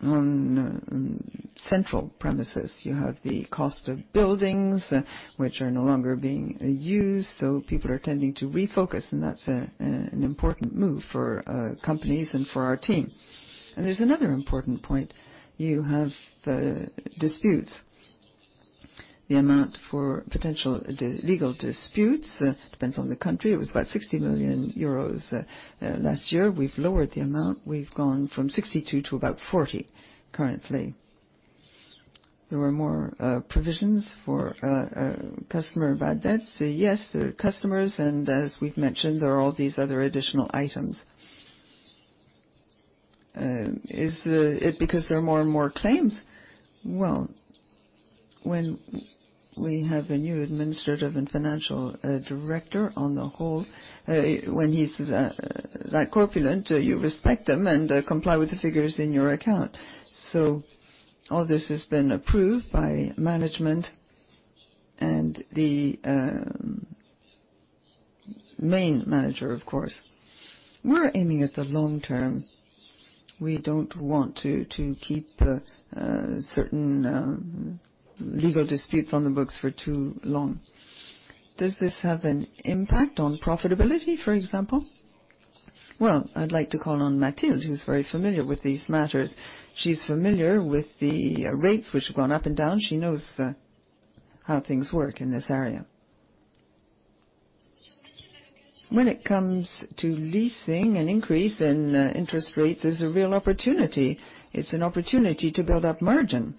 on central premises. You have the cost of buildings which are no longer being used, so people are tending to refocus, and that's an important move for companies and for our team. There's another important point. You have disputes. The amount for potential legal disputes depends on the country. It was about 60 million euros. Last year, we've lowered the amount. We've gone from 62 million to about 40 million currently. There were more provisions for customer bad debts. Yes, customers, and as we've mentioned, there are all these other additional items. Is it because there are more and more claims? When we have a new administrative and financial director on the whole, when he's that corpulent, you respect him and comply with the figures in your account. All this has been approved by management and the main manager, of course. We're aiming at the long term. We don't want to keep certain legal disputes on the books for too long. Does this have an impact on profitability, for example? I'd like to call on Mathilde, who's very familiar with these matters. She's familiar with the rates which have gone up and down. She knows how things work in this area. When it comes to leasing, an increase in interest rates is a real opportunity. It's an opportunity to build up margin.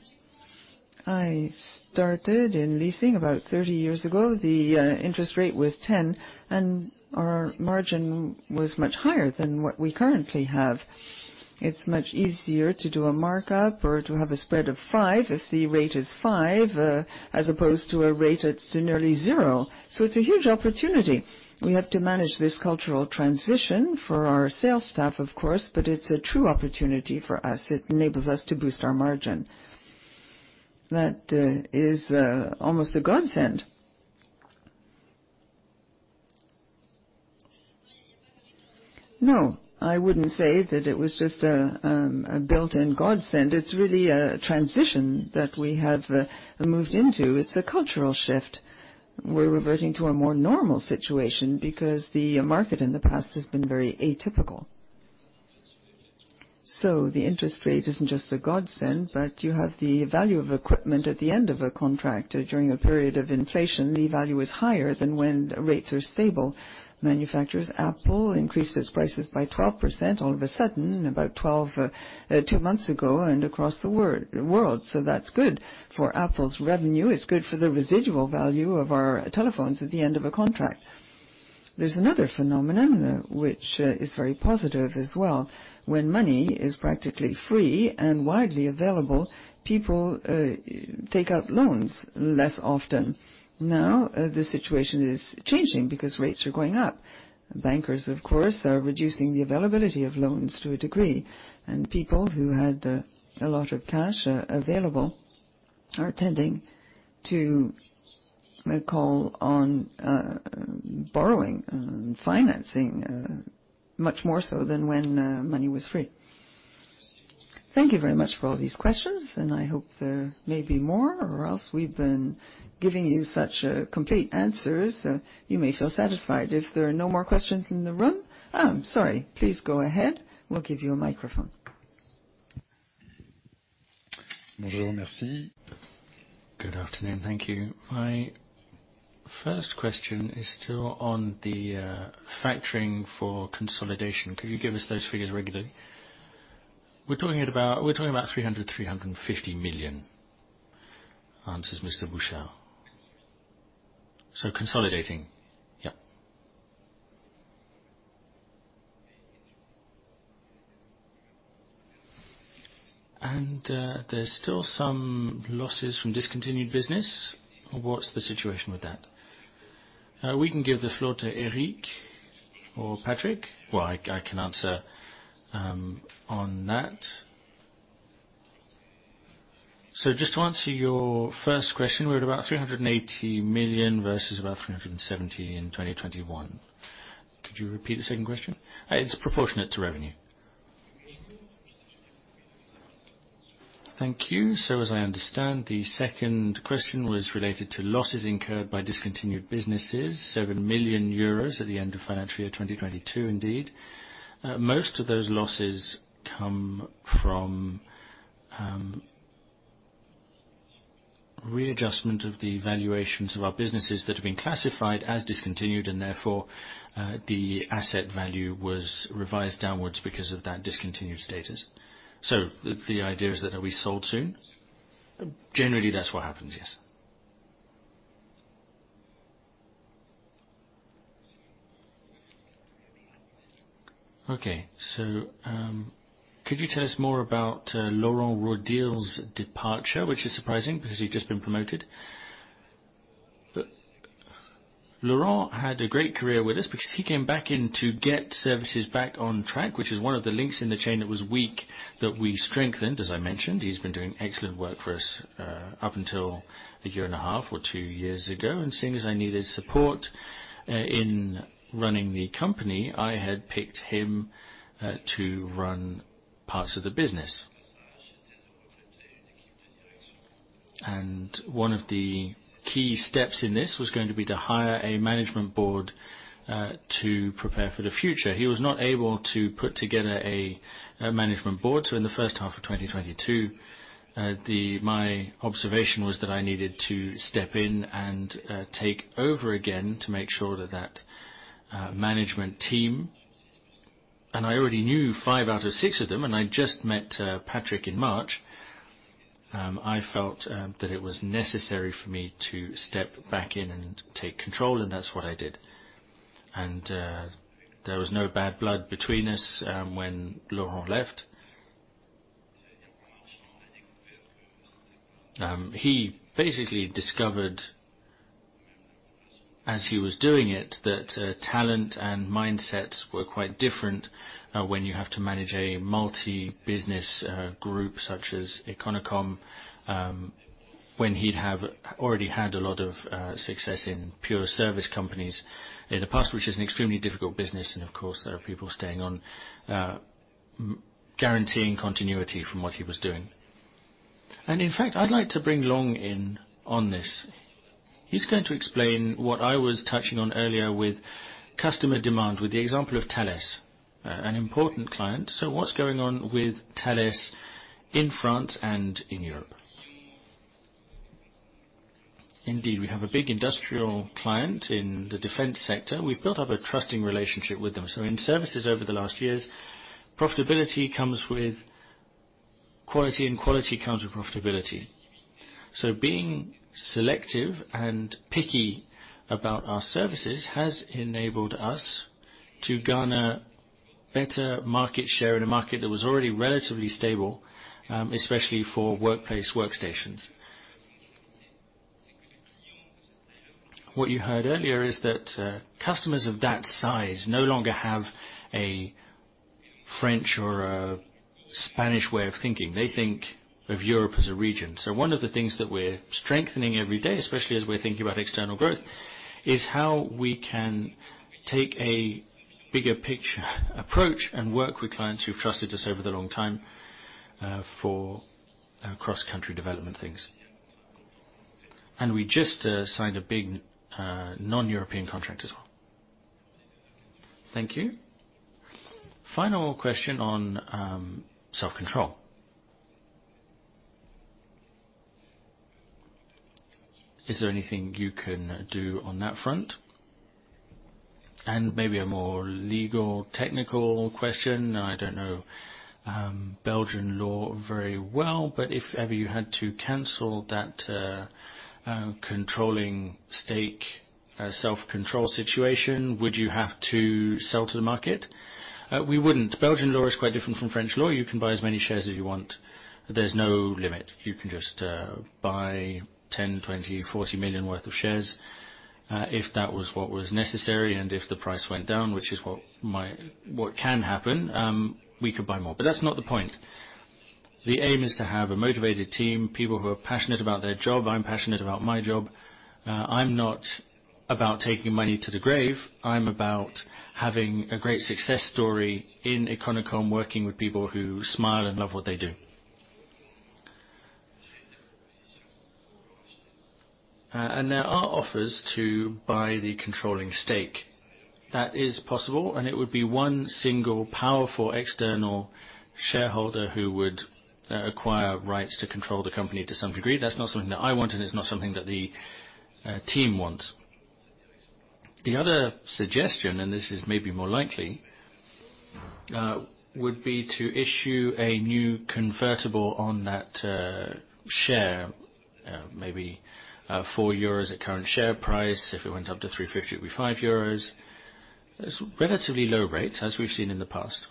I started in leasing about 30 years ago. The interest rate was 10%, and our margin was much higher than what we currently have. It's much easier to do a markup or to have a spread of 5% if the rate is 5%, as opposed to a rate that's nearly 0%. It's a huge opportunity. We have to manage this cultural transition for our sales staff, of course, but it's a true opportunity for us. It enables us to boost our margin. That is almost a godsend. No, I wouldn't say that it was just a built-in godsend. It's really a transition that we have moved into. It's a cultural shift. We're reverting to a more normal situation because the market in the past has been very atypical. The interest rate isn't just a godsend, but you have the value of equipment at the end of a contract. During a period of inflation, the value is higher than when rates are stable. Manufacturers, Apple increased its prices by 12% all of a sudden about two months ago and across the world. That's good for Apple's revenue. It's good for the residual value of our telephones at the end of a contract. There's another phenomenon which is very positive as well. When money is practically free and widely available, people take out loans less often. Now, the situation is changing because rates are going up. Bankers, of course, are reducing the availability of loans to a degree. People who had a lot of cash available are tending to call on borrowing and financing much more so than when money was free. Thank you very much for all these questions, and I hope there may be more, or else we've been giving you such complete answers, you may feel satisfied. If there are no more questions in the room... Sorry. Please go ahead. We'll give you a microphone. Good afternoon. Thank you. My first question is still on the factoring for consolidation. Could you give us those figures regularly? We're talking about 350 million, answers Mr. Bouchard. Consolidating? Yeah. There's still some losses from discontinued business. What's the situation with that? We can give the floor to Eric or Patrick. Well, I can answer on that. Just to answer your first question, we're at about 380 million versus about 370 in 2021. Could you repeat the second question? It's proportionate to revenue. Thank you. As I understand, the second question was related to losses incurred by discontinued businesses, 7 million euros at the end of financial year 2022 indeed. Most of those losses come from readjustment of the valuations of our businesses that have been classified as discontinued and therefore, the asset value was revised downwards because of that discontinued status. The idea is that they'll be sold soon? Generally, that's what happens, yes. Okay. Could you tell us more about Laurent Roudil's departure, which is surprising because he's just been promoted. Laurent had a great career with us because he came back in to get services back on track, which is one of the links in the chain that was weak that we strengthened. As I mentioned, he's been doing excellent work for us up until a year and a half or two years ago. Seeing as I needed support in running the company, I had picked him to run parts of the business. One of the key steps in this was going to be to hire a management board to prepare for the future. He was not able to put together a management board. In the H1 of 2022, my observation was that I needed to step in and take over again to make sure that management team... I already knew 5 out of 6 of them, and I just met Patrick in March. I felt that it was necessary for me to step back in and take control, and that's what I did. There was no bad blood between us when Laurent left. He basically discovered, as he was doing it, that talent and mindsets were quite different when you have to manage a multi-business group such as Econocom, when he already had a lot of success in pure service companies in the past, which is an extremely difficult business. Of course, there are people staying on, guaranteeing continuity from what he was doing. In fact, I'd like to bring Long in on this. He's going to explain what I was touching on earlier with customer demand, with the example of Thales, an important client. What's going on with Thales in France and in Europe? Indeed, we have a big industrial client in the defense sector. We've built up a trusting relationship with them. In services over the last years, profitability comes with quality, and quality comes with profitability. Being selective and picky about our services has enabled us to garner better market share in a market that was already relatively stable, especially for workplace workstations. What you heard earlier is that customers of that size no longer have a French or a Spanish way of thinking. They think of Europe as a region. One of the things that we're strengthening every day, especially as we're thinking about external growth, is how we can take a bigger picture approach and work with clients who've trusted us over the long time for cross-country development things. We just signed a big non-European contract as well. Thank you. Final question on self-control. Is there anything you can do on that front? Maybe a more legal, technical question. I don't know Belgian law very well, but if ever you had to cancel that controlling stake. Would you have to sell to the market? We wouldn't. Belgian law is quite different from French law. You can buy as many shares as you want. There's no limit. You can just buy 10 million, 20 million, 40 million worth of shares. If that was what was necessary and if the price went down, which is what can happen, we could buy more. That's not the point. The aim is to have a motivated team, people who are passionate about their job. I'm passionate about my job. I'm not about taking money to the grave. I'm about having a great success story in Econocom, working with people who smile and love what they do. There are offers to buy the controlling stake. That is possible. It would be one single powerful external shareholder who would acquire rights to control the company to some degree. That's not something that I want. It's not something that the team wants. The other suggestion, this is maybe more likely, would be to issue a new convertible on that share. Maybe 4 euros at current share price. If it went up to 3.50, it'd be 5 euros. It's relatively low rates, as we've seen in the past.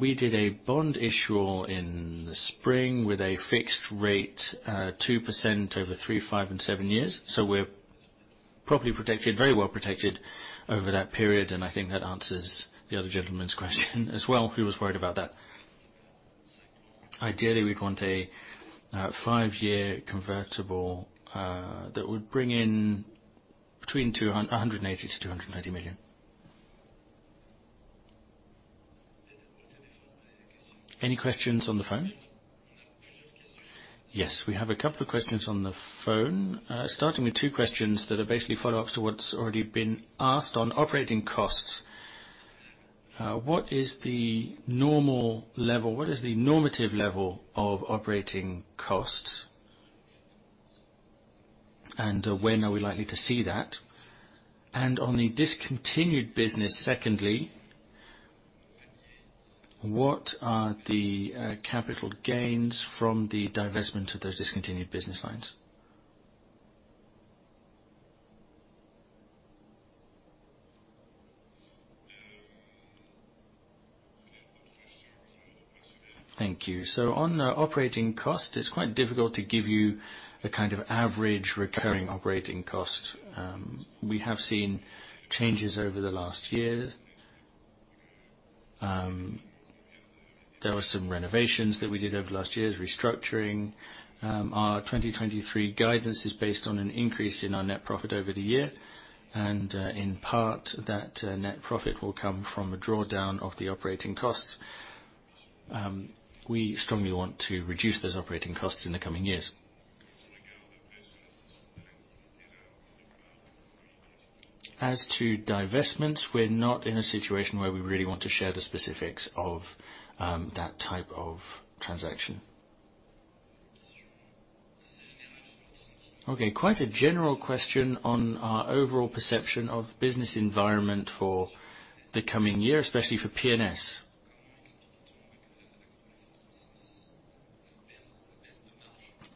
We did a bond issue all in the spring with a fixed rate, 2% over 3, 5, and 7 years, so we're properly protected, very well protected over that period, and I think that answers the other gentleman's question as well, if he was worried about that. Ideally, we'd want a 5-year convertible that would bring in between 180 million-230 million. Any questions on the phone? Yes, we have a couple of questions on the phone. Starting with two questions that are basically follow-ups to what's already been asked on operating costs. What is the normal level? What is the normative level of operating costs? When are we likely to see that? On the discontinued business, secondly, what are the capital gains from the divestment to those discontinued business lines? Thank you. On operating cost, it's quite difficult to give you a kind of average recurring operating cost. We have seen changes over the last year. There were some renovations that we did over the last years, restructuring. Our 2023 guidance is based on an increase in our net profit over the year, in part, that net profit will come from a drawdown of the operating costs. We strongly want to reduce those operating costs in the coming years. As to divestments, we're not in a situation where we really want to share the specifics of that type of transaction. Okay, quite a general question on our overall perception of business environment for the coming year, especially for PNS.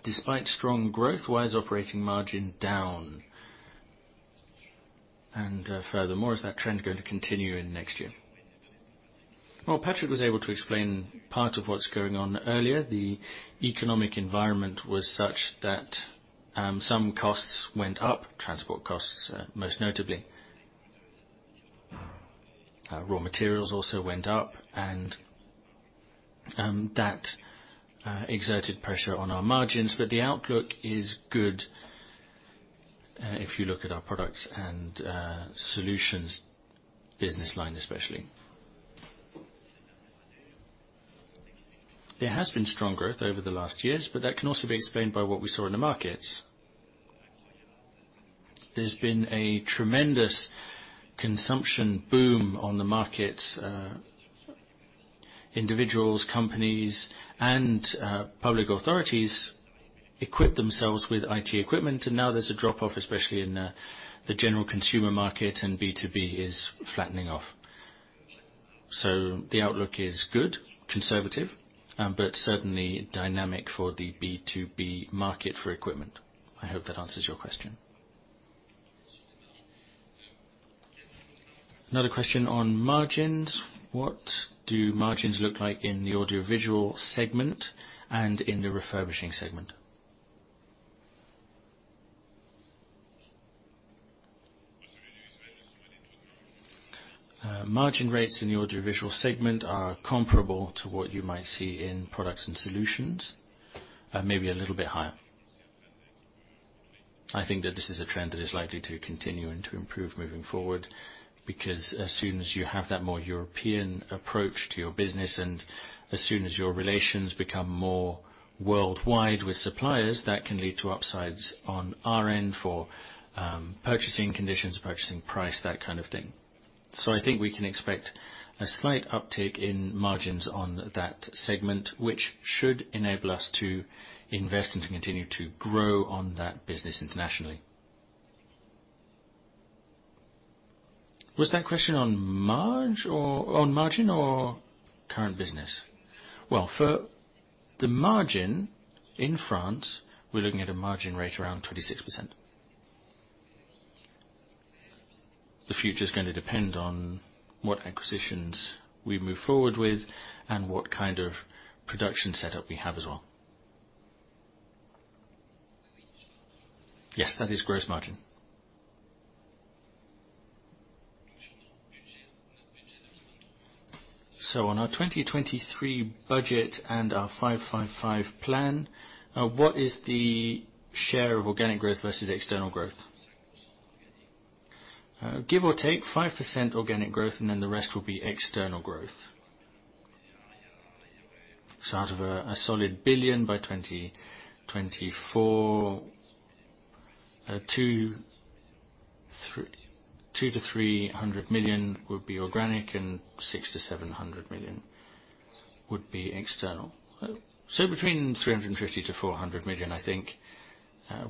Despite strong growth, why is operating margin down? Furthermore, is that trend going to continue in next year? Well, Patrick was able to explain part of what's going on earlier. The economic environment was such that, some costs went up, transport costs, most notably. Raw materials also went up, and that exerted pressure on our margins, but the outlook is good, if you look at our products and solutions business line especially. There has been strong growth over the last years, but that can also be explained by what we saw in the markets. There's been a tremendous consumption boom on the markets. Individuals, companies, and public authorities equipped themselves with IT equipment, now there's a drop-off, especially in the general consumer market, B2B is flattening off. The outlook is good, conservative, but certainly dynamic for the B2B market for equipment. I hope that answers your question. Another question on margins. What do margins look like in the audio-visual segment and in the refurbishing segment? Margin rates in the audio-visual segment are comparable to what you might see in products and solutions, maybe a little bit higher. I think that this is a trend that is likely to continue and to improve moving forward, because as soon as you have that more European approach to your business, and as soon as your relations become more worldwide with suppliers, that can lead to upsides on our end for purchasing conditions, purchasing price, that kind of thing. I think we can expect a slight uptick in margins on that segment, which should enable us to invest and to continue to grow on that business internationally. Was that question on margin or current business? For the margin in France, we're looking at a margin rate around 26%. The future is gonna depend on what acquisitions we move forward with and what kind of production setup we have as well. Yes, that is gross margin. On our 2023 budget and our five-five-five plan, what is the share of organic growth versus external growth? Give or take 5% organic growth, and then the rest will be external growth. Out of a solid 1 billion by 2024, 200 million-300 million would be organic, and 600 million-700 million would be external. Between 350 million-400 million, I think.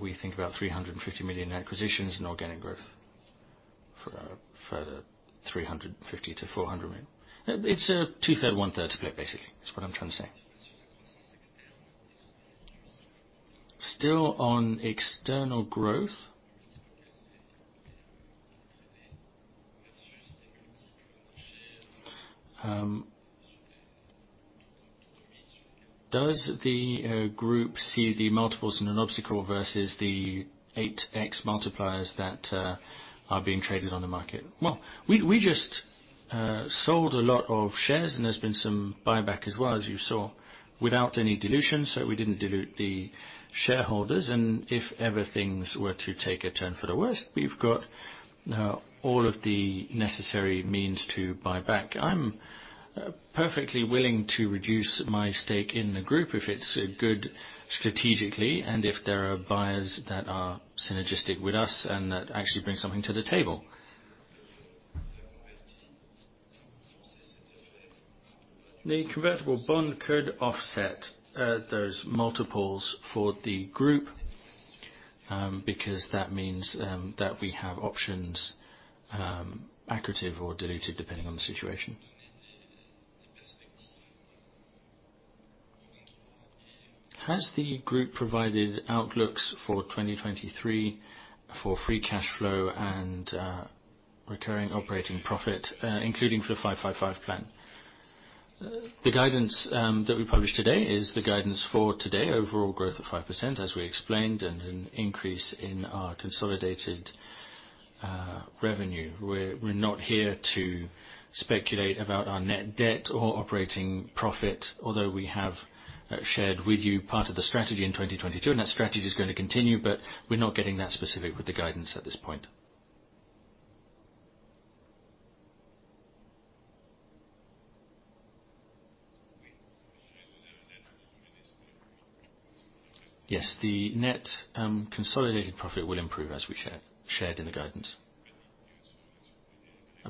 We think about 350 million acquisitions and organic growth for 350 million-400 million. It's a two-third, one-third split, basically, is what I'm trying to say. Still on external growth, does the group see the multiples an obstacle versus the 8x multipliers that are being traded on the market? Well, we just sold a lot of shares and there's been some buyback as well, as you saw, without any dilution, we didn't dilute the shareholders. If ever things were to take a turn for the worst, we've got all of the necessary means to buy back. I'm perfectly willing to reduce my stake in the group if it's good strategically, if there are buyers that are synergistic with us and that actually bring something to the table. The convertible bond could offset those multiples for the group, that means that we have options, accretive or dilutive, depending on the situation. Has the group provided outlooks for 2023 for free cash flow and recurring operating profit, including for the five-five-five plan? The guidance that we published today is the guidance for today. Overall growth of 5%, as we explained, an increase in our consolidated revenue. We're not here to speculate about our net debt or operating profit, although we have shared with you part of the strategy in 2022, that strategy is going to continue, we're not getting that specific with the guidance at this point. Yes, the net consolidated profit will improve as we shared in the guidance.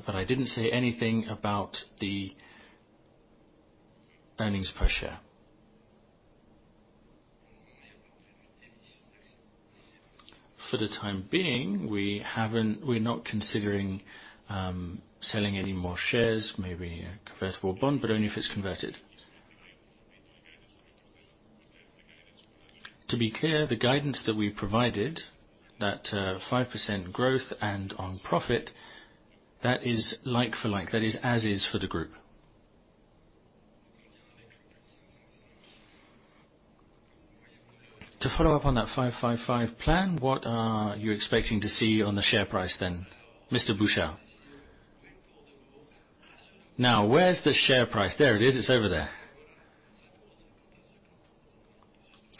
I didn't say anything about the earnings per share. For the time being, we're not considering selling any more shares, maybe a convertible bond, only if it's converted. To be clear, the guidance that we provided, that 5% growth and on profit, that is like for like, that is as is for the group. To follow up on that five-five-five plan, what are you expecting to see on the share price? Mr. Bouchard. Where's the share price? There it is. It's over there.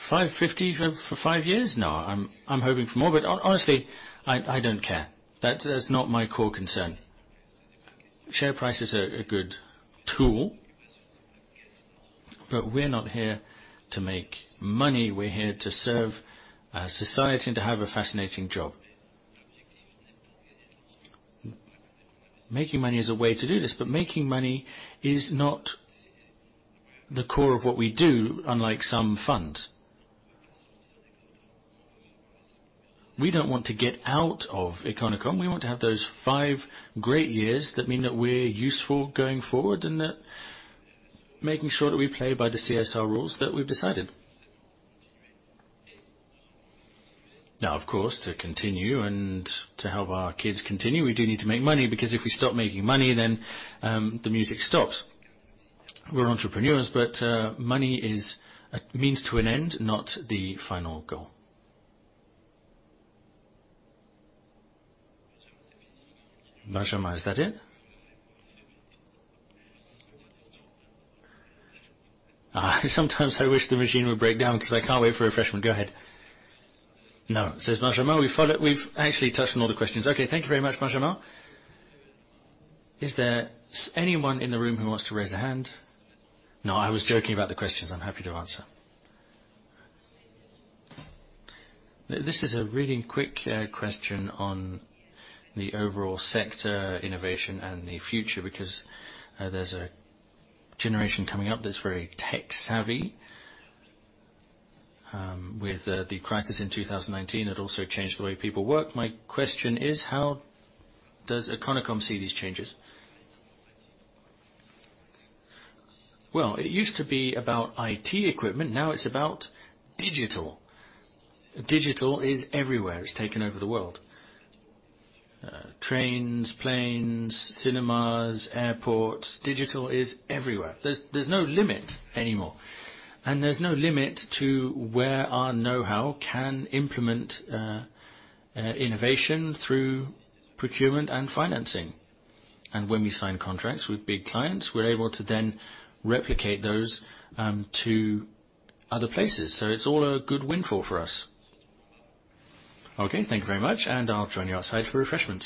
5.50 for five years? I'm hoping for more, but honestly, I don't care. That's not my core concern. Share price is a good tool, but we're not here to make money. We're here to serve society and to have a fascinating job. Making money is a way to do this, but making money is not the core of what we do, unlike some funds. We don't want to get out of Econocom. We want to have those five great years that mean that we're useful going forward, and making sure that we play by the CSR rules that we've decided. Of course, to continue and to help our kids continue, we do need to make money, because if we stop making money, then, the music stops. We're entrepreneurs, but, money is a means to an end, not the final goal. Benjamin, is that it? Sometimes I wish the machine would break down because I can't wait for a refreshment. Go ahead. No, says Benjamin, we've followed. We've actually touched on all the questions. Okay, thank you very much, Benjamin. Is there anyone in the room who wants to raise a hand? No, I was joking about the questions. I'm happy to answer. This is a really quick question on the overall sector innovation and the future, because, there's a generation coming up that's very tech-savvy. With the crisis in 2019, it also changed the way people work. My question is: How does Econocom see these changes? Well, it used to be about IT equipment. Now it's about digital. Digital is everywhere. It's taken over the world. Trains, planes, cinemas, airports. Digital is everywhere. There's no limit anymore. There's no limit to where our know-how can implement innovation through procurement and financing. When we sign contracts with big clients, we're able to then replicate those to other places. It's all a good windfall for us. Okay, thank you very much, and I'll join you outside for refreshments.